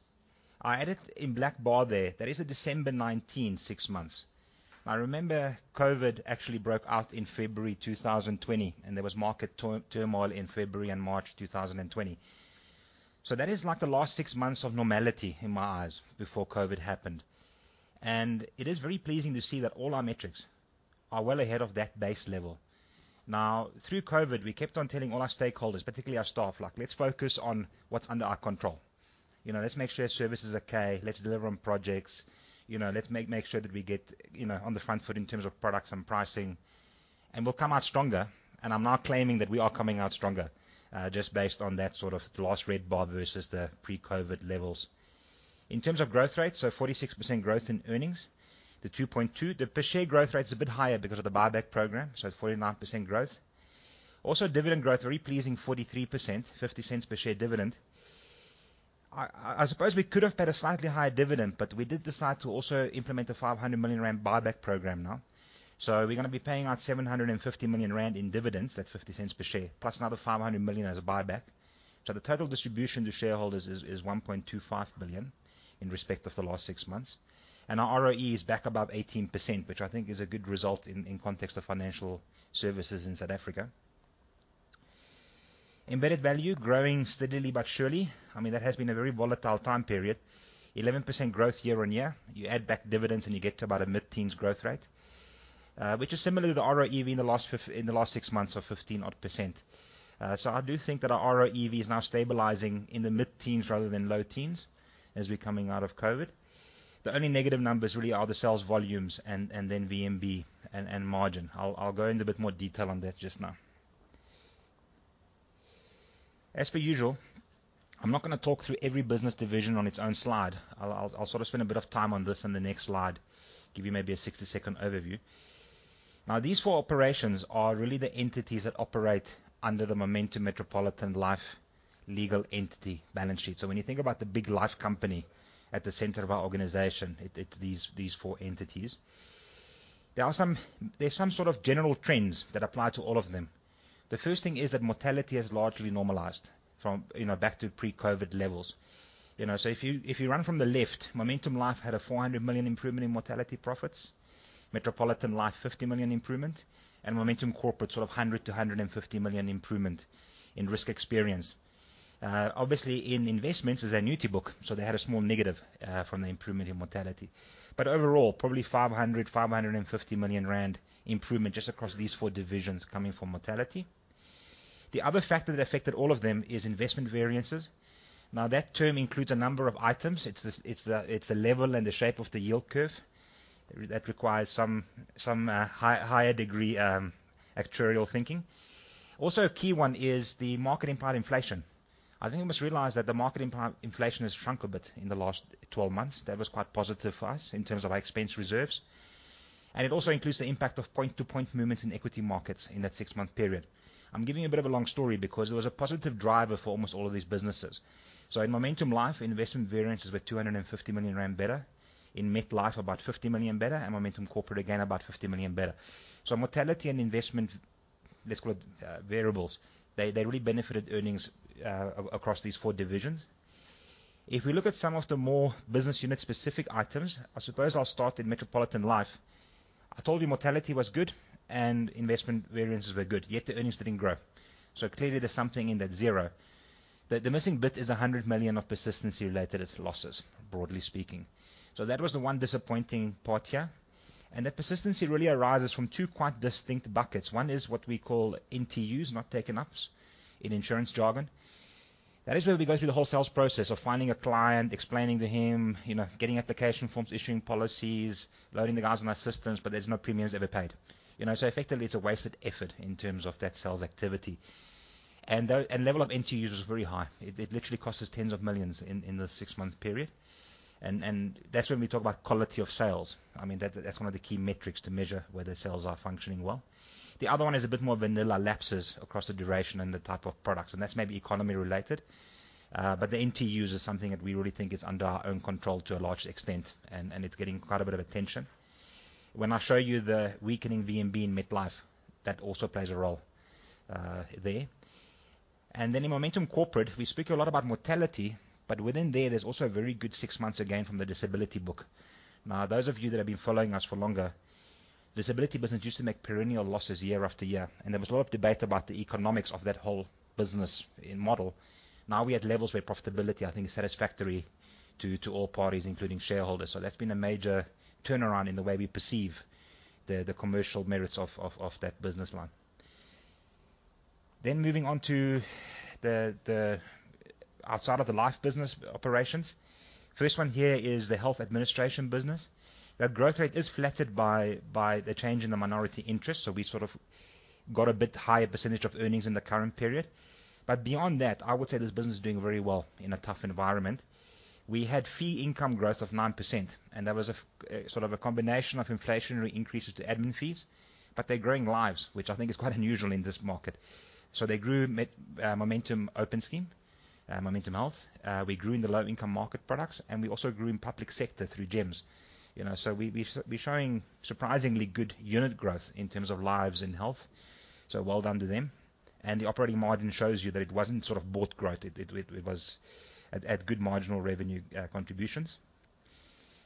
I added in black bar there. That is a December 19, six months. Now remember, COVID actually broke out in February 2020, and there was market turmoil in February and March 2020. That is like the last six months of normality in my eyes before COVID happened. It is very pleasing to see that all our metrics are well ahead of that base level. Through COVID, we kept on telling all our stakeholders, particularly our staff, like, "Let's focus on what's under our control. You know, let's make sure service is okay. Let's deliver on projects. You know, let's make sure that we get, you know, on the front foot in terms of products and pricing, and we'll come out stronger." I'm now claiming that we are coming out stronger, just based on that sort of the last red bar versus the pre-COVID levels. In terms of growth rates, 46% growth in earnings to 2.2 billion. The per share growth rate's a bit higher because of the buyback program, so it's 49% growth. Dividend growth, very pleasing, 43%, 0.50 per share dividend. I suppose we could have paid a slightly higher dividend. We did decide to also implement the 500 million rand buyback program now. We're gonna be paying out 750 million rand in dividends, that's 0.50 per share, plus another 500 million as a buyback. The total distribution to shareholders is 1.25 billion in respect of the last six months. Our ROE is back above 18%, which I think is a good result in context of financial services in South Africa. Embedded value growing steadily but surely. I mean, that has been a very volatile time period. 11% growth year-over-year. You add back dividends, and you get to about a mid-teens growth rate, which is similar to the ROEV in the last six months of 15 odd %. I do think that our ROEV is now stabilizing in the mid-teens rather than low teens as we're coming out of COVID. The only negative numbers really are the sales volumes and then VMB and margin. I'll go into a bit more detail on that just now. As per usual, I'm not gonna talk through every business division on its own slide. I'll sort of spend a bit of time on this in the next slide, give you maybe a 60-second overview. These four operations are really the entities that operate under the Momentum Metropolitan Life legal entity balance sheet. When you think about the big life company at the center of our organization, it's these four entities. There's some sort of general trends that apply to all of them. The first thing is that mortality has largely normalized from, you know, back to pre-COVID levels. You know, if you run from the left, Momentum Life had a 400 million improvement in mortality profits. Metropolitan Life, 50 million improvement. Momentum Corporate, sort of 100 million-150 million improvement in risk experience. obviously in investments is annuity book, so they had a small negative from the improvement in mortality. Overall, probably 500 million, 550 million rand improvement just across these four divisions coming from mortality. The other factor that affected all of them is investment variances. That term includes a number of items. It's the level and the shape of the yield curve. That requires some higher degree actuarial thinking. A key one is the market impact inflation. I think we must realize that the market impact inflation has shrunk a bit in the last 12 months. That was quite positive for us in terms of our expense reserves. It also includes the impact of point-to-point movements in equity markets in that six-month period. I'm giving a bit of a long story because there was a positive driver for almost all of these businesses. In Momentum Life, investment variances were 250 million rand better. In Metlife, about 50 million better. Momentum Corporate again, about 50 million better. Mortality and investment, let's call it, variables, they really benefited earnings across these four divisions. We look at some of the more business unit specific items, I suppose I'll start in Metropolitan Life. I told you mortality was good and investment variances were good, yet the earnings didn't grow. Clearly there's something in that zero. The missing bit is 100 million of persistency related losses, broadly speaking. That was the one disappointing part here. That persistency really arises from two quite distinct buckets. One is what we call NTUs, not taken ups in insurance jargon. That is where we go through the whole sales process of finding a client, explaining to him, you know, getting application forms, issuing policies, loading the guys on our systems, but there's no premiums ever paid. You know, effectively it's a wasted effort in terms of that sales activity. The level of NTU is very high. It literally cost us 10 million in the six-month period. That's when we talk about quality of sales. I mean, that's one of the key metrics to measure whether sales are functioning well. The other one is a bit more vanilla lapses across the duration and the type of products. That's maybe economy related. The NTU is something that we really think is under our own control to a large extent, and it's getting quite a bit of attention. When I show you the weakening VNB in Metlife, that also plays a role there. In Momentum Corporate, we speak a lot about mortality, but within there's also a very good six months again from the disability book. Those of you that have been following us for longer, disability business used to make perennial losses year after year, and there was a lot of debate about the economics of that whole business in model. We had levels where profitability, I think is satisfactory to all parties, including shareholders. That's been a major turnaround in the way we perceive the commercial merits of that business line. Moving on to the outside of the life business operations. First one here is the health administration business. That growth rate is flatted by the change in the minority interest. We sort of got a bit higher percentage of earnings in the current period. Beyond that, I would say this business is doing very well in a tough environment. We had fee income growth of 9%, and that was a sort of a combination of inflationary increases to admin fees, but they're growing lives, which I think is quite unusual in this market. They grew Momentum Open Scheme, Momentum Health. We grew in the low-income market products, and we also grew in public sector through Gems. You know, so we're showing surprisingly good unit growth in terms of lives and health, so well done to them. The operating margin shows you that it wasn't sort of bought growth. It was at good marginal revenue contributions.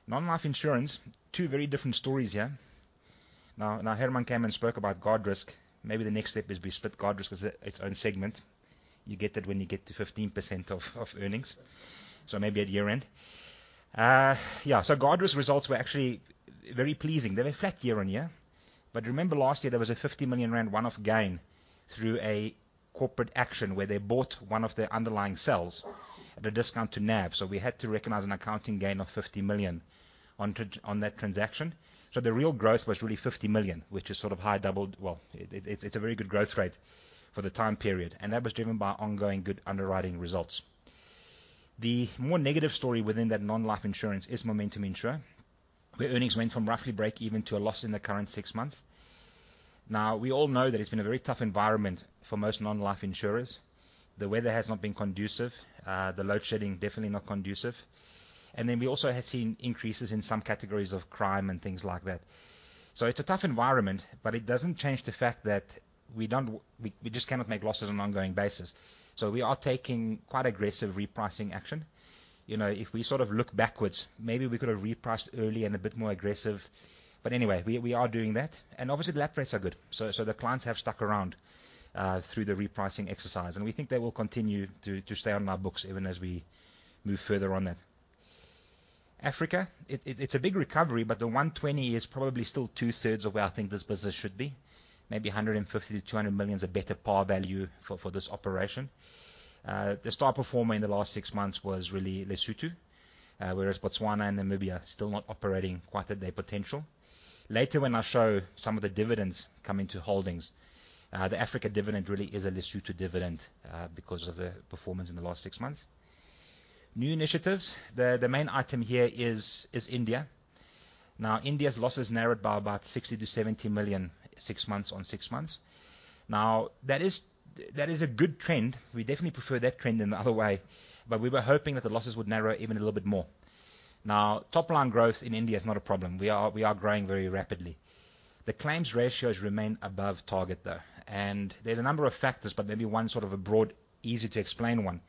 Non-life insurance, two very different stories here. Now Herman came and spoke about Guardrisk. Maybe the next step is we split Guardrisk as its own segment. You get that when you get to 15% of earnings, so maybe at year-end. Yeah. Guardrisk results were actually very pleasing. They were flat year on year. Remember last year there was a 50 million rand one-off gain through a corporate action where they bought one of their underlying cells at a discount to NAV. We had to recognize an accounting gain of 50 million on that transaction. The real growth was really 50 million, which is sort of high doubled. Well, it's a very good growth rate for the time period, and that was driven by ongoing good underwriting results. The more negative story within that non-life insurance is Momentum Insure, where earnings went from roughly break-even to a loss in the current six months. We all know that it's been a very tough environment for most non-life insurers. The weather has not been conducive, the load shedding definitely not conducive. We also have seen increases in some categories of crime and things like that. It's a tough environment, but it doesn't change the fact that we just cannot make losses on an ongoing basis. We are taking quite aggressive repricing action. You know, if we sort of look backwards, maybe we could have repriced early and a bit more aggressive. Anyway, we are doing that, and obviously the lap rates are good. The clients have stuck around through the repricing exercise, and we think they will continue to stay on our books even as we move further on that. Africa, it's a big recovery, but the 120 million is probably still 2/3 of where I think this business should be. Maybe 150 million-200 million is a better par value for this operation. The star performer in the last six months was really Lesotho, whereas Botswana and Namibia are still not operating quite at their potential. Later when I show some of the dividends coming to holdings, the Africa dividend really is a Lesotho dividend because of the performance in the last six months. New initiatives. The main item here is India. India's losses narrowed by about 60 million-70 million, six months on six months. That is a good trend. We definitely prefer that trend than the other way, but we were hoping that the losses would narrow even a little bit more. Now, top-line growth in India is not a problem. We are growing very rapidly. The claims ratios remain above target, though. There's a number of factors, but maybe one sort of a broad, easy-to-explain one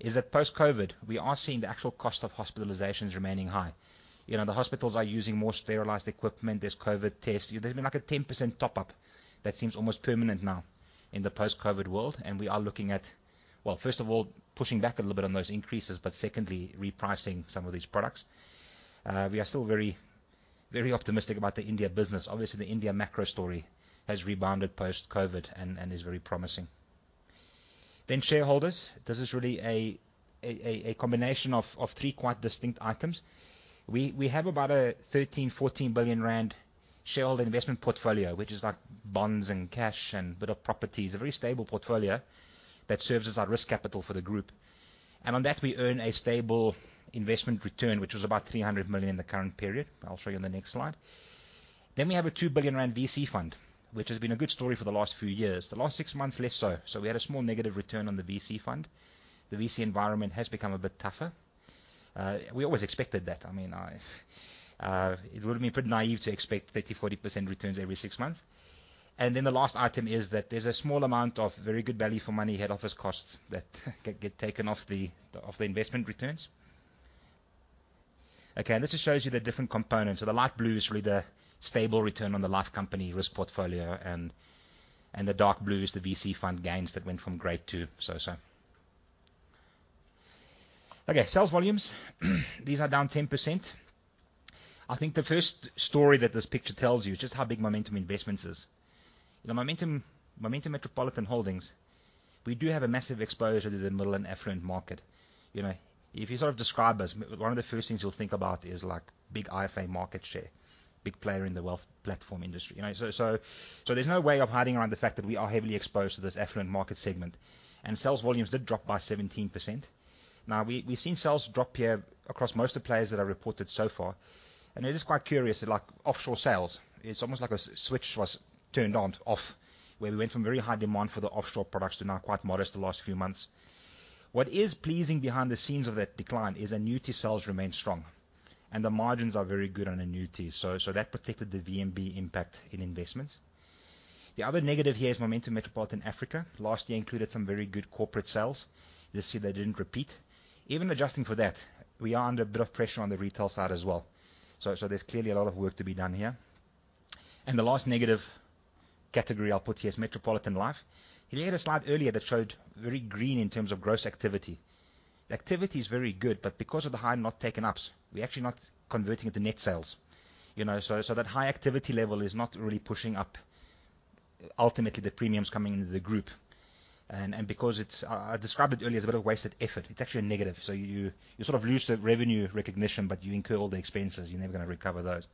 is that post-COVID, we are seeing the actual cost of hospitalizations remaining high. You know, the hospitals are using more sterilized equipment. There's COVID tests. There's been like a 10% top-up that seems almost permanent now in the post-COVID world. We are looking at, well, first of all, pushing back a little bit on those increases, but secondly, repricing some of these products. We are still very optimistic about the India business. Obviously, the India macro story has rebounded post-COVID and is very promising. Shareholders. This is really a combination of three quite distinct items. We have about a 13 billion-14 billion rand shareholder investment portfolio, which is like bonds and cash and a bit of properties. A very stable portfolio that serves as our risk capital for the group. On that, we earn a stable investment return, which was about 300 million in the current period. I'll show you on the next slide. We have a 2 billion rand VC fund, which has been a good story for the last few years. The last six months, less so. We had a small negative return on the VC fund. The VC environment has become a bit tougher. We always expected that. I mean, it would have been pretty naive to expect 30%, 40% returns every six months. The last item is that there's a small amount of very good value for money head office costs that get taken off of the investment returns. Okay. This just shows you the different components. The light blue is really the stable return on the life company risk portfolio and the dark blue is the VC fund gains that went from great to so-so. Okay. Sales volumes, these are down 10%. I think the first story that this picture tells you is just how big Momentum Investments is. You know, Momentum Metropolitan Holdings, we do have a massive exposure to the middle and affluent market. You know, if you sort of describe us, one of the first things you'll think about is, like, big IFA market share, big player in the wealth platform industry. You know, so there's no way of hiding around the fact that we are heavily exposed to this affluent market segment, and sales volumes did drop by 17%. We've seen sales drop here across most of the players that have reported so far, and it is quite curious that, like, offshore sales, it's almost like a switch was turned on-- off, where we went from very high demand for the offshore products to now quite modest the last few months. What is pleasing behind the scenes of that decline is annuity sales remain strong, and the margins are very good on annuities. So that protected the VNB impact in investments. The other negative here is Momentum Metropolitan Africa. Last year included some very good corporate sales. This year, they didn't repeat. Even adjusting for that, we are under a bit of pressure on the retail side as well. There's clearly a lot of work to be done here. The last negative category I'll put here is Metropolitan Life. Hillie had a slide earlier that showed very green in terms of gross activity. The activity is very good, but because of the high not taken ups, we're actually not converting it to net sales. You know, that high activity level is not really pushing up ultimately the premiums coming into the group. Because I described it earlier as a bit of wasted effort. It's actually a negative. You sort of lose the revenue recognition, but you incur all the expenses. You're never gonna recover those.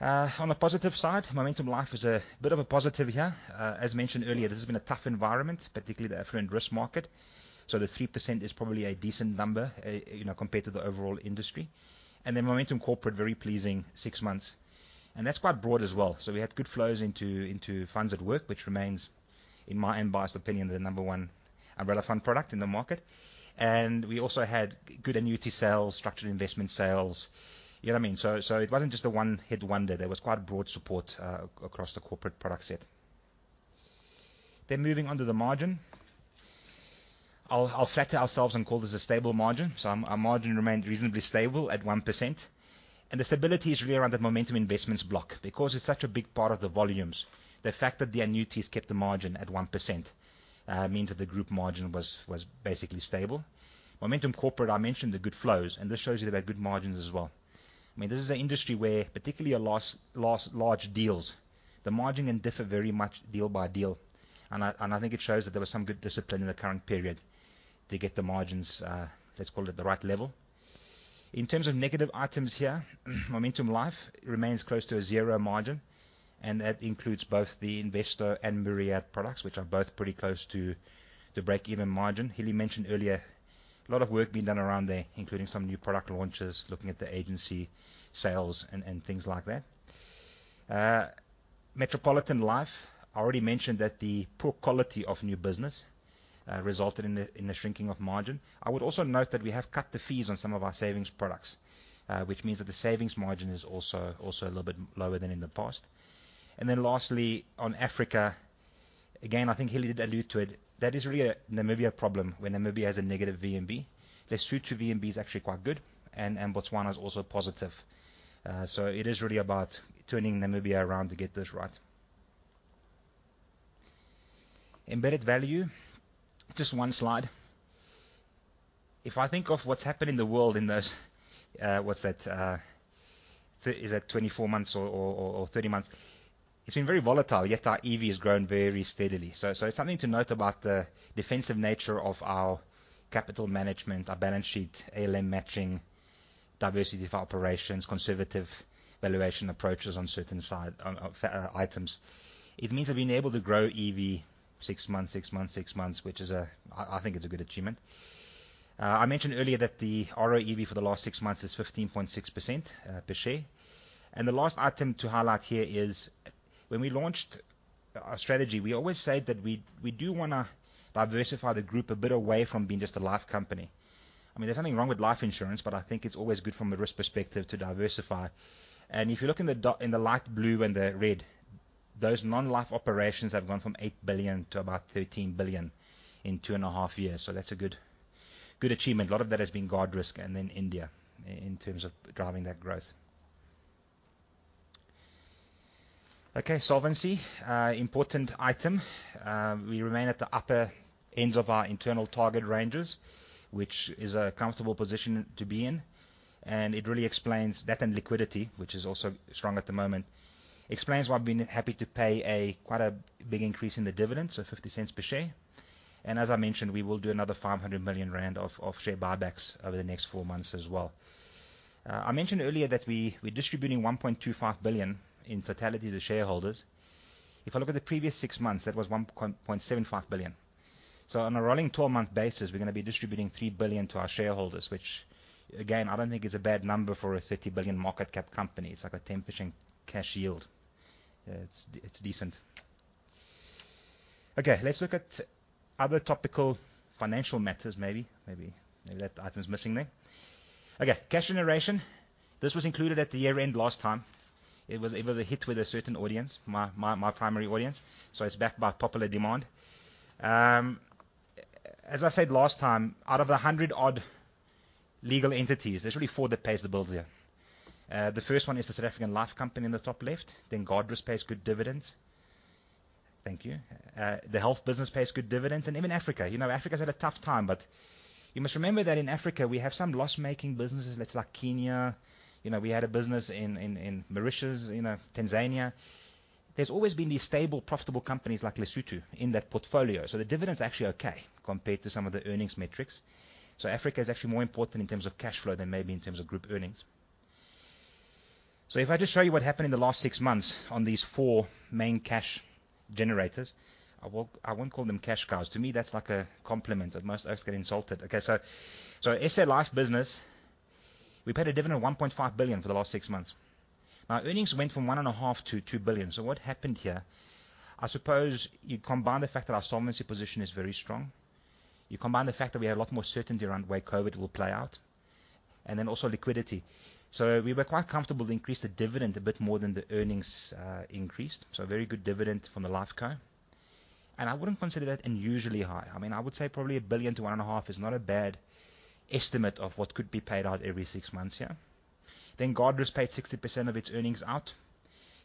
On a positive side, Momentum Life is a bit of a positive here. As mentioned earlier, this has been a tough environment, particularly the affluent risk market. The 3% is probably a decent number, you know, compared to the overall industry. Momentum Corporate, very pleasing six months, and that's quite broad as well. We had good flows into FundsAtWork, which remains, in my unbiased opinion, the number one umbrella fund product in the market. We also had good annuity sales, structured investment sales. You know what I mean? So it wasn't just a one-hit wonder. There was quite broad support across the corporate product set. Moving on to the margin. I'll flatter ourselves and call this a stable margin. Our margin remained reasonably stable at 1%, and the stability is really around the Momentum Investments block. Because it's such a big part of the volumes, the fact that the annuities kept the margin at 1%, means that the group margin was basically stable. Momentum Corporate, I mentioned the good flows, and this shows you that they're good margins as well. I mean, this is an industry where particularly large deals, the margin can differ very much deal by deal. I think it shows that there was some good discipline in the current period to get the margins, let's call it the right level. In terms of negative items here, Momentum Life remains close to a zero margin, and that includes both the Investo and Myriad products, which are both pretty close to the break-even margin. Hillie mentioned earlier, a lot of work being done around there, including some new product launches, looking at the agency sales and things like that. Metropolitan Life, I already mentioned that the poor quality of new business resulted in the shrinking of margin. I would also note that we have cut the fees on some of our savings products, which means that the savings margin is also a little bit lower than in the past. Lastly, on Africa, again, I think Hillie did allude to it. That is really a Namibia problem, where Namibia has a negative VNB. Their VNB is actually quite good, and Botswana is also positive. It is really about turning Namibia around to get this right. Embedded value, just one slide. If I think of what's happened in the world in those, what's that, is that 24 months or 30 months? It's been very volatile, yet our EV has grown very steadily. It's something to note about the defensive nature of our capital management, our balance sheet, ALM matching, diversity of operations, conservative valuation approaches on certain items. It means they've been able to grow EV six months, six months, six months, which is a, I think it's a good achievement. I mentioned earlier that the ROEV for the last six months is 15.6% per share. The last item to highlight here is when we launched our strategy, we always said that we do wanna diversify the group a bit away from being just a life company I mean, there's nothing wrong with life insurance, but I think it's always good from a risk perspective to diversify. If you look in the light blue and the red, those non-life operations have gone from 8 billion to about 13 billion in two and a half years. That's a good achievement. A lot of that has been Guardrisk and then India in terms of driving that growth. Okay, solvency, important item. We remain at the upper ends of our internal target ranges, which is a comfortable position to be in. It really explains that and liquidity, which is also strong at the moment. Explains why I've been happy to pay a, quite a big increase in the dividends of 0.50 per share. As I mentioned, we will do another 500 million rand of share buybacks over the next four months as well. I mentioned earlier that we're distributing 1.25 billion in totality to shareholders. If I look at the previous six months, that was 1.75 billion. On a rolling 12-month basis, we're gonna be distributing 3 billion to our shareholders, which again, I don't think is a bad number for a 30 billion market cap company. It's like a 10% cash yield. It's decent. Let's look at other topical financial matters maybe. Maybe that item's missing there. Cash generation. This was included at the year-end last time. It was a hit with a certain audience, my primary audience, so it's back by popular demand. As I said last time, out of a 100 odd legal entities, there's really four that pays the bills here. The first one is the South African Life company in the top left. Guardrisk pays good dividends. Thank you. The health business pays good dividends. Even Africa, you know, Africa's had a tough time, but you must remember that in Africa we have some loss-making businesses. That's like Kenya. You know, we had a business in, in Mauritius, you know, Tanzania. There's always been these stable, profitable companies like Lesotho in that portfolio. The dividend's actually okay compared to some of the earnings metrics. Africa is actually more important in terms of cash flow than maybe in terms of group earnings. If I just show you what happened in the last six months on these four main cash generators. I won't call them cash cows. To me, that's like a compliment that most of us get insulted. Okay. SA Life business, we paid a dividend of 1.5 billion for the last six months. Earnings went from 1.5 billion to 2 billion. What happened here? I suppose you combine the fact that our solvency position is very strong. You combine the fact that we have a lot more certainty around the way COVID will play out, and then also liquidity. We were quite comfortable to increase the dividend a bit more than the earnings increased. Very good dividend from the Life co. I wouldn't consider that unusually high. I mean, I would say probably 1 billion-1.5 billion is not a bad estimate of what could be paid out every six months, yeah. Guardrisk paid 60% of its earnings out.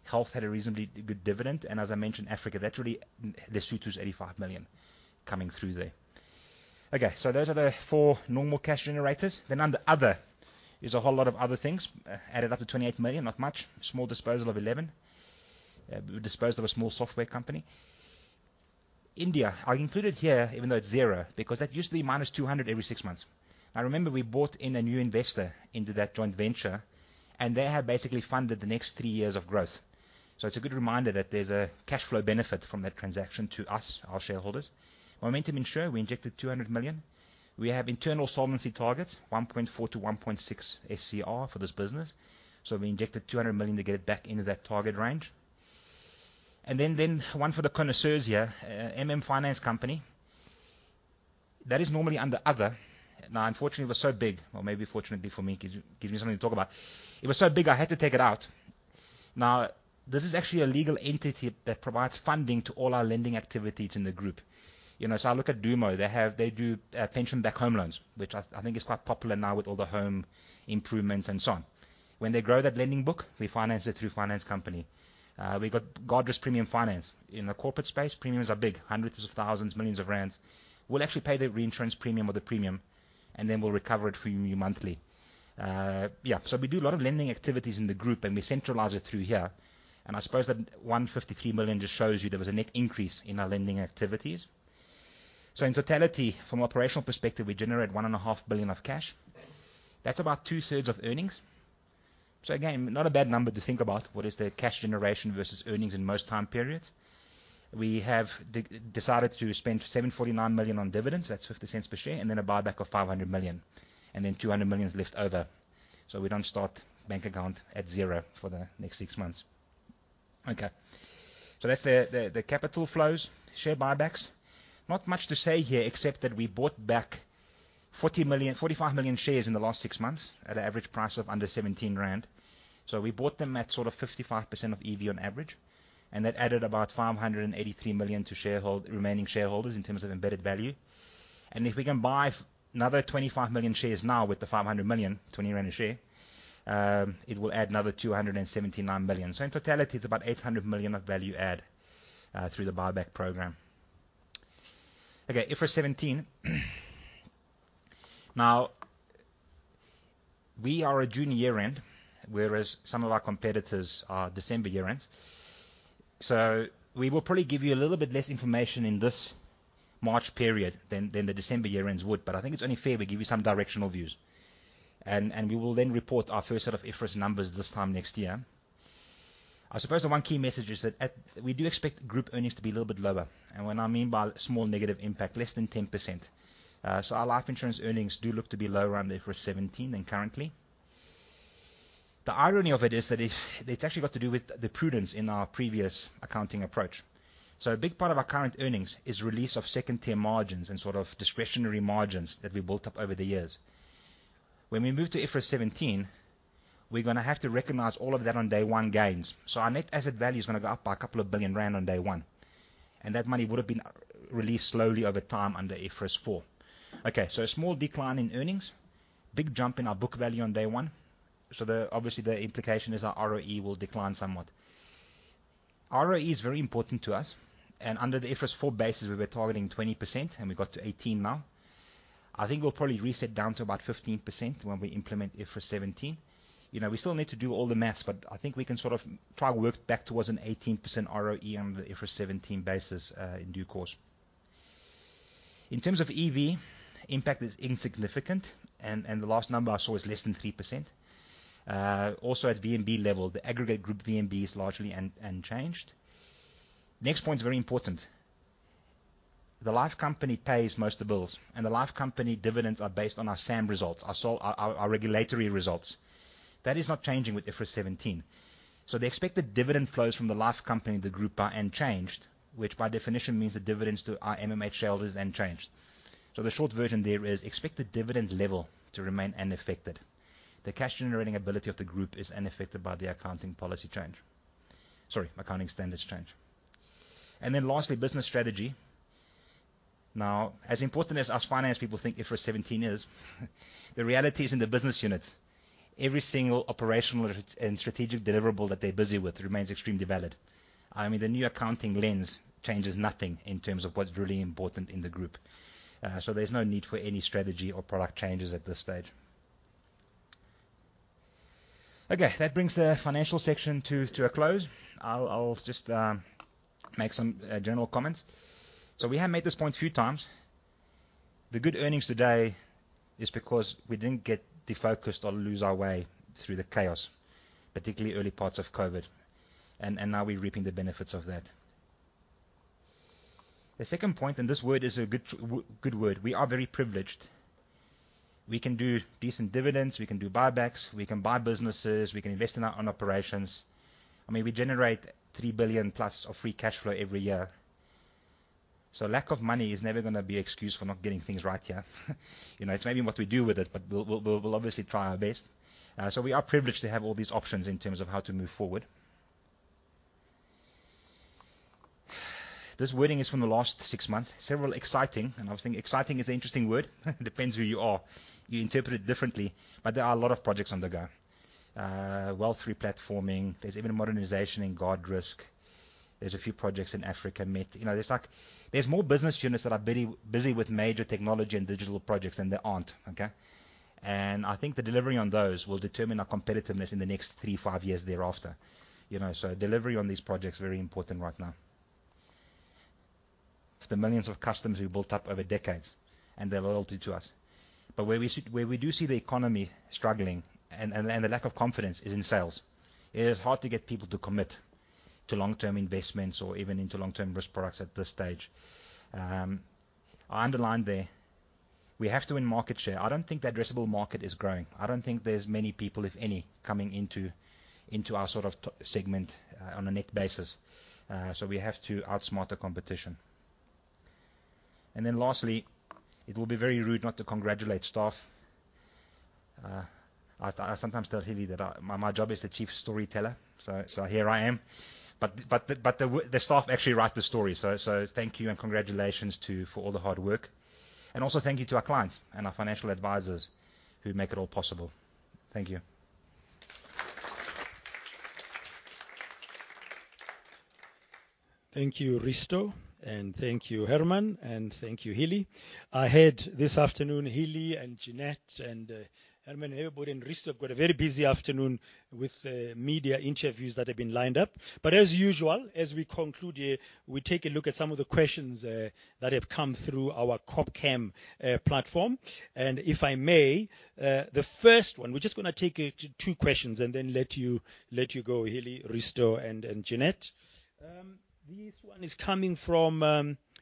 Health had a reasonably good dividend, and as I mentioned, Africa, that's really Lesotho 85 million coming through there. Those are the four normal cash generators. Under other, there's a whole lot of other things added up to 28 million, not much. Small disposal of 11 million. We disposed of a small software company. India, I included here, even though it's zero, because that used to be minus 200 million every six months. Remember we brought in a new investor into that joint venture, and they have basically funded the next three years of growth. It's a good reminder that there's a cash flow benefit from that transaction to us, our shareholders. Momentum Insure, we injected 200 million. We have internal solvency targets, 1.4-1.6 SCR for this business. We injected 200 million to get it back into that target range. Then, one for the connoisseurs here, MM Finance Company. That is normally under other. Unfortunately, it was so big or maybe fortunately for me, gives me something to talk about. It was so big, I had to take it out. This is actually a legal entity that provides funding to all our lending activities in the group. You know, I look at Dumo, they do pension-backed home loans, which I think is quite popular now with all the home improvements and so on. When they grow that lending book, we finance it through finance company. We got Guardrisk Premium Finance. In the corporate space, premiums are big, hundreds of thousands, millions of rands. We'll actually pay the reinsurance premium or the premium, and then we'll recover it from you monthly. Yeah. We do a lot of lending activities in the group, and we centralize it through here. I suppose that 153 million just shows you there was a net increase in our lending activities. In totality, from operational perspective, we generate 1.5 billion of cash. That's about two-thirds of earnings. Again, not a bad number to think about what is the cash generation versus earnings in most time periods. We decided to spend 749 million on dividends. That's 0.50 per share and then a buyback of 500 million, and then 200 million is left over. We don't start bank account at zero for the next six months. Okay. That's the capital flows, share buybacks. Not much to say here except that we bought back 45 million shares in the last six months at an average price of under 17 rand. We bought them at sort of 55% of EV on average, and that added about 583 million to remaining shareholders in terms of embedded value. If we can buy another 25 million shares now with the 500 million, 20 a share, it will add another 279 million. In totality, it's about 800 million of value add through the buyback program. IFRS 17. We are a June year-end, whereas some of our competitors are December year-ends. We will probably give you a little bit less information in this March period than the December year-ends would. I think it's only fair we give you some directional views. We will then report our first set of IFRS numbers this time next year. I suppose the one key message is that we do expect group earnings to be a little bit lower, and what I mean by small negative impact, less than 10%. Our life insurance earnings do look to be lower under IFRS 17 than currently. The irony of it is that it's actually got to do with the prudence in our previous accounting approach. A big part of our current earnings is release of second-tier margins and sort of discretionary margins that we built up over the years. We move to IFRS 17, we're gonna have to recognize all of that on day one gains. Our net asset value is gonna go up by a couple of billion rand on day one. That money would have been released slowly over time under IFRS 4. A small decline in earnings. Big jump in our book value on day one. The, obviously, the implication is our ROE will decline somewhat. ROE is very important to us, and under the IFRS 4 basis, we were targeting 20%, and we got to 18 now. I think we'll probably reset down to about 15% when we implement IFRS 17. You know, we still need to do all the math, but I think we can sort of try work back towards an 18% ROE under the IFRS 17 basis in due course. In terms of EV, impact is insignificant, and the last number I saw is less than 3%. Also at VNB level, the aggregate group VNB is largely unchanged. Next point is very important. The life company pays most the bills, and the life company dividends are based on our SAM results, our regulatory results. That is not changing with IFRS 17. The expected dividend flows from the life company to the group are unchanged, which by definition means the dividends to our MMH shareholders unchanged. The short version there is expect the dividend level to remain unaffected. The cash-generating ability of the group is unaffected by the accounting policy change. Sorry, accounting standards change. Lastly, business strategy. As important as us finance people think IFRS 17 is, the reality is, in the business units, every single operational or strategic deliverable that they're busy with remains extremely valid. I mean, the new accounting lens changes nothing in terms of what's really important in the group. There's no need for any strategy or product changes at this stage. Okay, that brings the financial section to a close. I'll just make some general comments. We have made this point a few times. The good earnings today is because we didn't get defocused or lose our way through the chaos, particularly early parts of COVID, and now we're reaping the benefits of that. The second point, this word is a good word, we are very privileged. We can do decent dividends, we can do buybacks, we can buy businesses, we can invest in our own operations. I mean, we generate 3 billion-plus of free cash flow every year. Lack of money is never gonna be an excuse for not getting things right here. You know, it's maybe what we do with it, but we'll obviously try our best. We are privileged to have all these options in terms of how to move forward. This wording is from the last six months. Several exciting, and I was thinking exciting is an interesting word. Depends who you are. You interpret it differently. There are a lot of projects on the go. Wealth re-platforming. There's even modernization in Guardrisk. There's a few projects in AfricaMet. You know, there's like, there's more business units that are busy with major technology and digital projects than there aren't. Okay? I think the delivery on those will determine our competitiveness in the next three, five years thereafter. You know, delivery on these projects are very important right now. The millions of customers we've built up over decades and their loyalty to us. Where we do see the economy struggling and a lack of confidence is in sales. It is hard to get people to commit to long-term investments or even into long-term risk products at this stage. I underlined there, we have to win market share. I don't think the addressable market is growing. I don't think there's many people, if any, coming into our sort of segment on a net basis. We have to outsmart the competition. Lastly, it will be very rude not to congratulate staff. I sometimes tell Hillie that my job is the chief storyteller, so here I am. The staff actually write the story. Thank you and congratulations to you for all the hard work. Also thank you to our clients and our financial advisors who make it all possible. Thank you. Thank you, Risto, and thank you, Herman, and thank you, Hillie. Ahead this afternoon, Hillie and Jeanette and Herman, everybody and Risto have got a very busy afternoon with media interviews that have been lined up. As usual, as we conclude here, we take a look at some of the questions that have come through our Corpcam platform. If I may, the first one, we're just gonna take two questions and then let you, let you go, Hillie, Risto and Jeanette. This one is coming from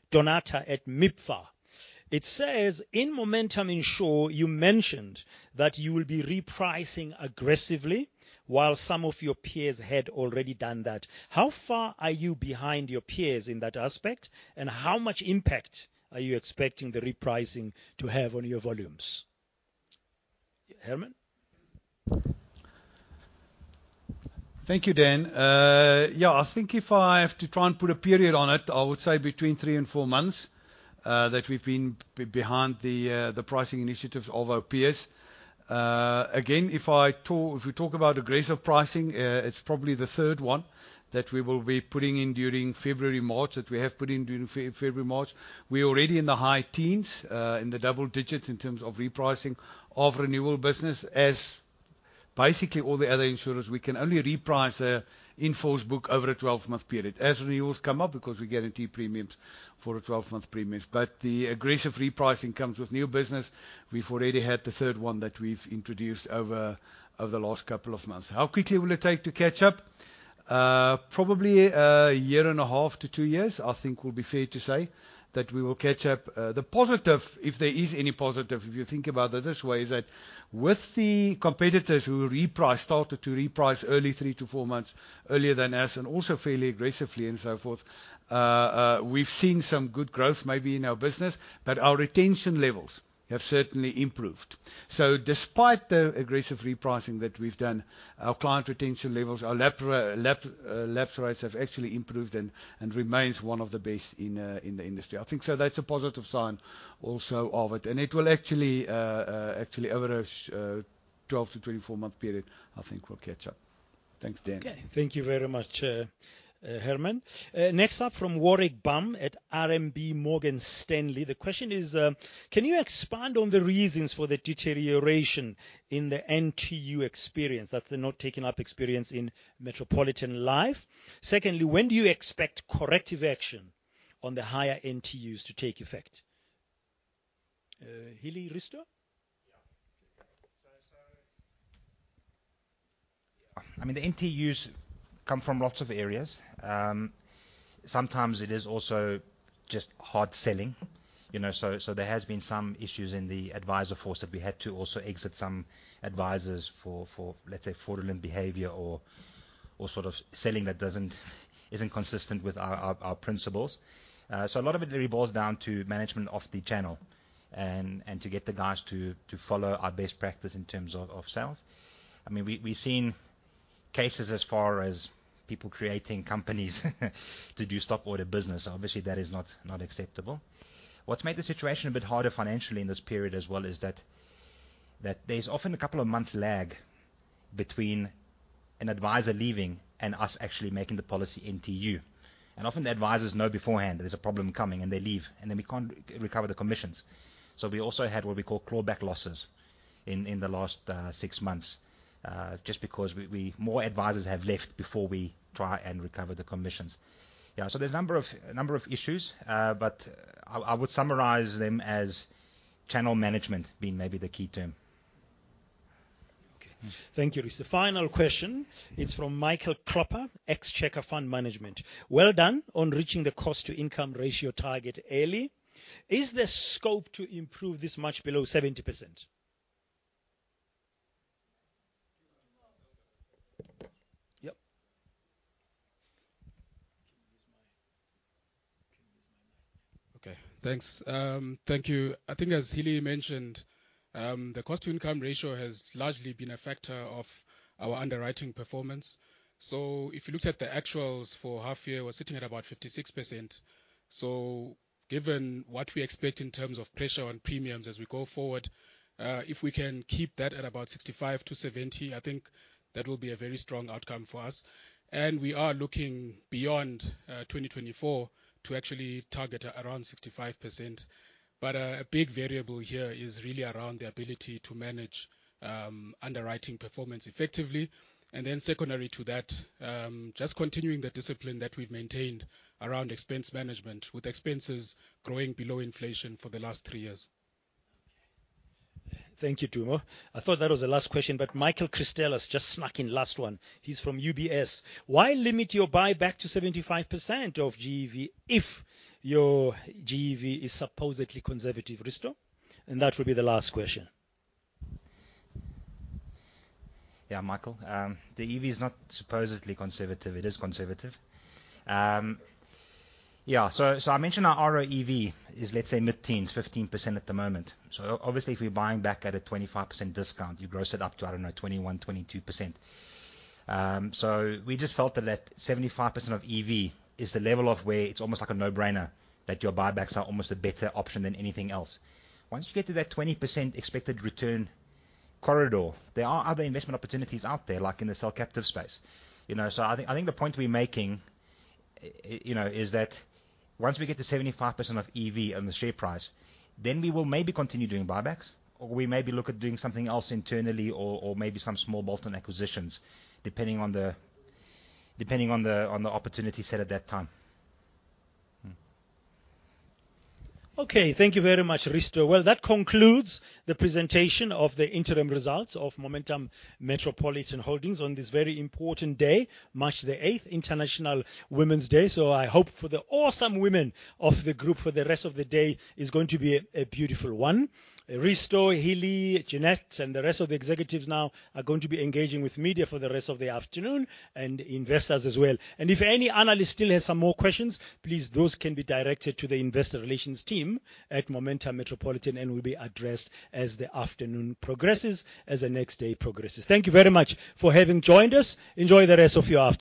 Donata at MIPFA. It says: In Momentum Insure, you mentioned that you will be repricing aggressively, while some of your peers had already done that. How far are you behind your peers in that aspect, and how much impact are you expecting the repricing to have on your volumes? Herman. Thank you, Dan. I think if I have to try and put a period on it, I would say between three and four months that we've been behind the pricing initiatives of our peers. Again, if we talk about aggressive pricing, it's probably the third one that we will be putting in during February, March, that we have put in during February, March. We're already in the high teens, in the double digits in terms of repricing of renewal business as basically all the other insurers. We can only reprice a in-force book over a 12-month period. As renewals come up, because we guarantee premiums for a 12-month premiums. The aggressive repricing comes with new business. We've already had the 3rd one that we've introduced over the last couple of months. How quickly will it take to catch up? Probably year and a half to two years, I think will be fair to say that we will catch up. The positive, if there is any positive, if you think about it this way, is that with the competitors who reprice, started to reprice early three to four months earlier than us and also fairly aggressively and so forth, we've seen some good growth maybe in our business. Our retention levels have certainly improved. Despite the aggressive repricing that we've done, our client retention levels, our lapse rates have actually improved and remains one of the best in the industry. I think, that's a positive sign also of it. It will actually over a 12 to 24 month period, I think we'll catch up. Thanks, Dan. Okay. Thank you very much, Herman. Next up from Warwick Bam at RMB Morgan Stanley. The question is: Can you expand on the reasons for the deterioration in the NTU experience? That's the not taken up experience in Metropolitan Life. Secondly, when do you expect corrective action on the higher NTUs to take effect? Hillie, Risto? I mean, the NTUs come from lots of areas. Sometimes it is also just hard selling, you know. There has been some issues in the advisor force that we had to also exit some advisors for, let's say, fraudulent behavior or sort of selling that isn't consistent with our principles. A lot of it really boils down to management of the channel and to get the guys to follow our best practice in terms of sales. I mean, we've seen cases as far as people creating companies to do stop order business. Obviously, that is not acceptable. What's made the situation a bit harder financially in this period as well is that there's often a couple of months lag between an advisor leaving and us actually making the policy NTU. Often the advisors know beforehand there's a problem coming, and they leave, and then we can't recover the commissions. We also had what we call clawback losses in the last six months, just because we more advisors have left before we try and recover the commissions. There's a number of issues, but I would summarize them as channel management being maybe the key term. Okay. Thank you, Risto. Final question. It's from Michael Cropper, Ex-Chequer Fund Management. Well done on reaching the cost to income ratio target early. Is there scope to improve this much below 70%? Yep. Okay. Thanks. Thank you. I think as Hillie mentioned, the cost to income ratio has largely been a factor of our underwriting performance. If you looked at the actuals for half year, we're sitting at about 56%. Given what we expect in terms of pressure on premiums as we go forward, if we can keep that at about 65%-70%, I think that will be a very strong outcome for us. We are looking beyond 2024 to actually target around 65%. A big variable here is really around the ability to manage underwriting performance effectively. Then secondary to that, just continuing the discipline that we've maintained around expense management with expenses growing below inflation for the last three years. Thank you, Dumo. I thought that was the last question, but Michael Christelis just snuck in last one. He's from UBS. Why limit your buyback to 75% of GEV if your GEV is supposedly conservative, Risto? That will be the last question. Yeah, Michael. The EV is not supposedly conservative, it is conservative. I mentioned our ROEV is, let's say, mid-teens, 15% at the moment. If we're buying back at a 25% discount, you gross it up to, I don't know, 21%-22%. We just felt that 75% of EV is the level of where it's almost like a no-brainer that your buybacks are almost a better option than anything else. Once you get to that 20% expected return corridor, there are other investment opportunities out there, like in the cell captive space. You know, I think the point we're making, you know, is that once we get to 75% of EV on the share price. We will maybe continue doing buybacks, or we maybe look at doing something else internally or maybe some small bolt-on acquisitions, depending on the opportunity set at that time. Mm. Thank you very much, Risto. That concludes the presentation of the interim results of Momentum Metropolitan Holdings on this very important day, March the eighth, International Women's Day. I hope for the awesome women of the group for the rest of the day is going to be a beautiful one. Risto, Hillie, Jeanette, and the rest of the executives now are going to be engaging with media for the rest of the afternoon and investors as well. If any analyst still has some more questions, please, those can be directed to the investor relations team at Momentum Metropolitan and will be addressed as the afternoon progresses, as the next day progresses. Thank you very much for having joined us. Enjoy the rest of your afternoon.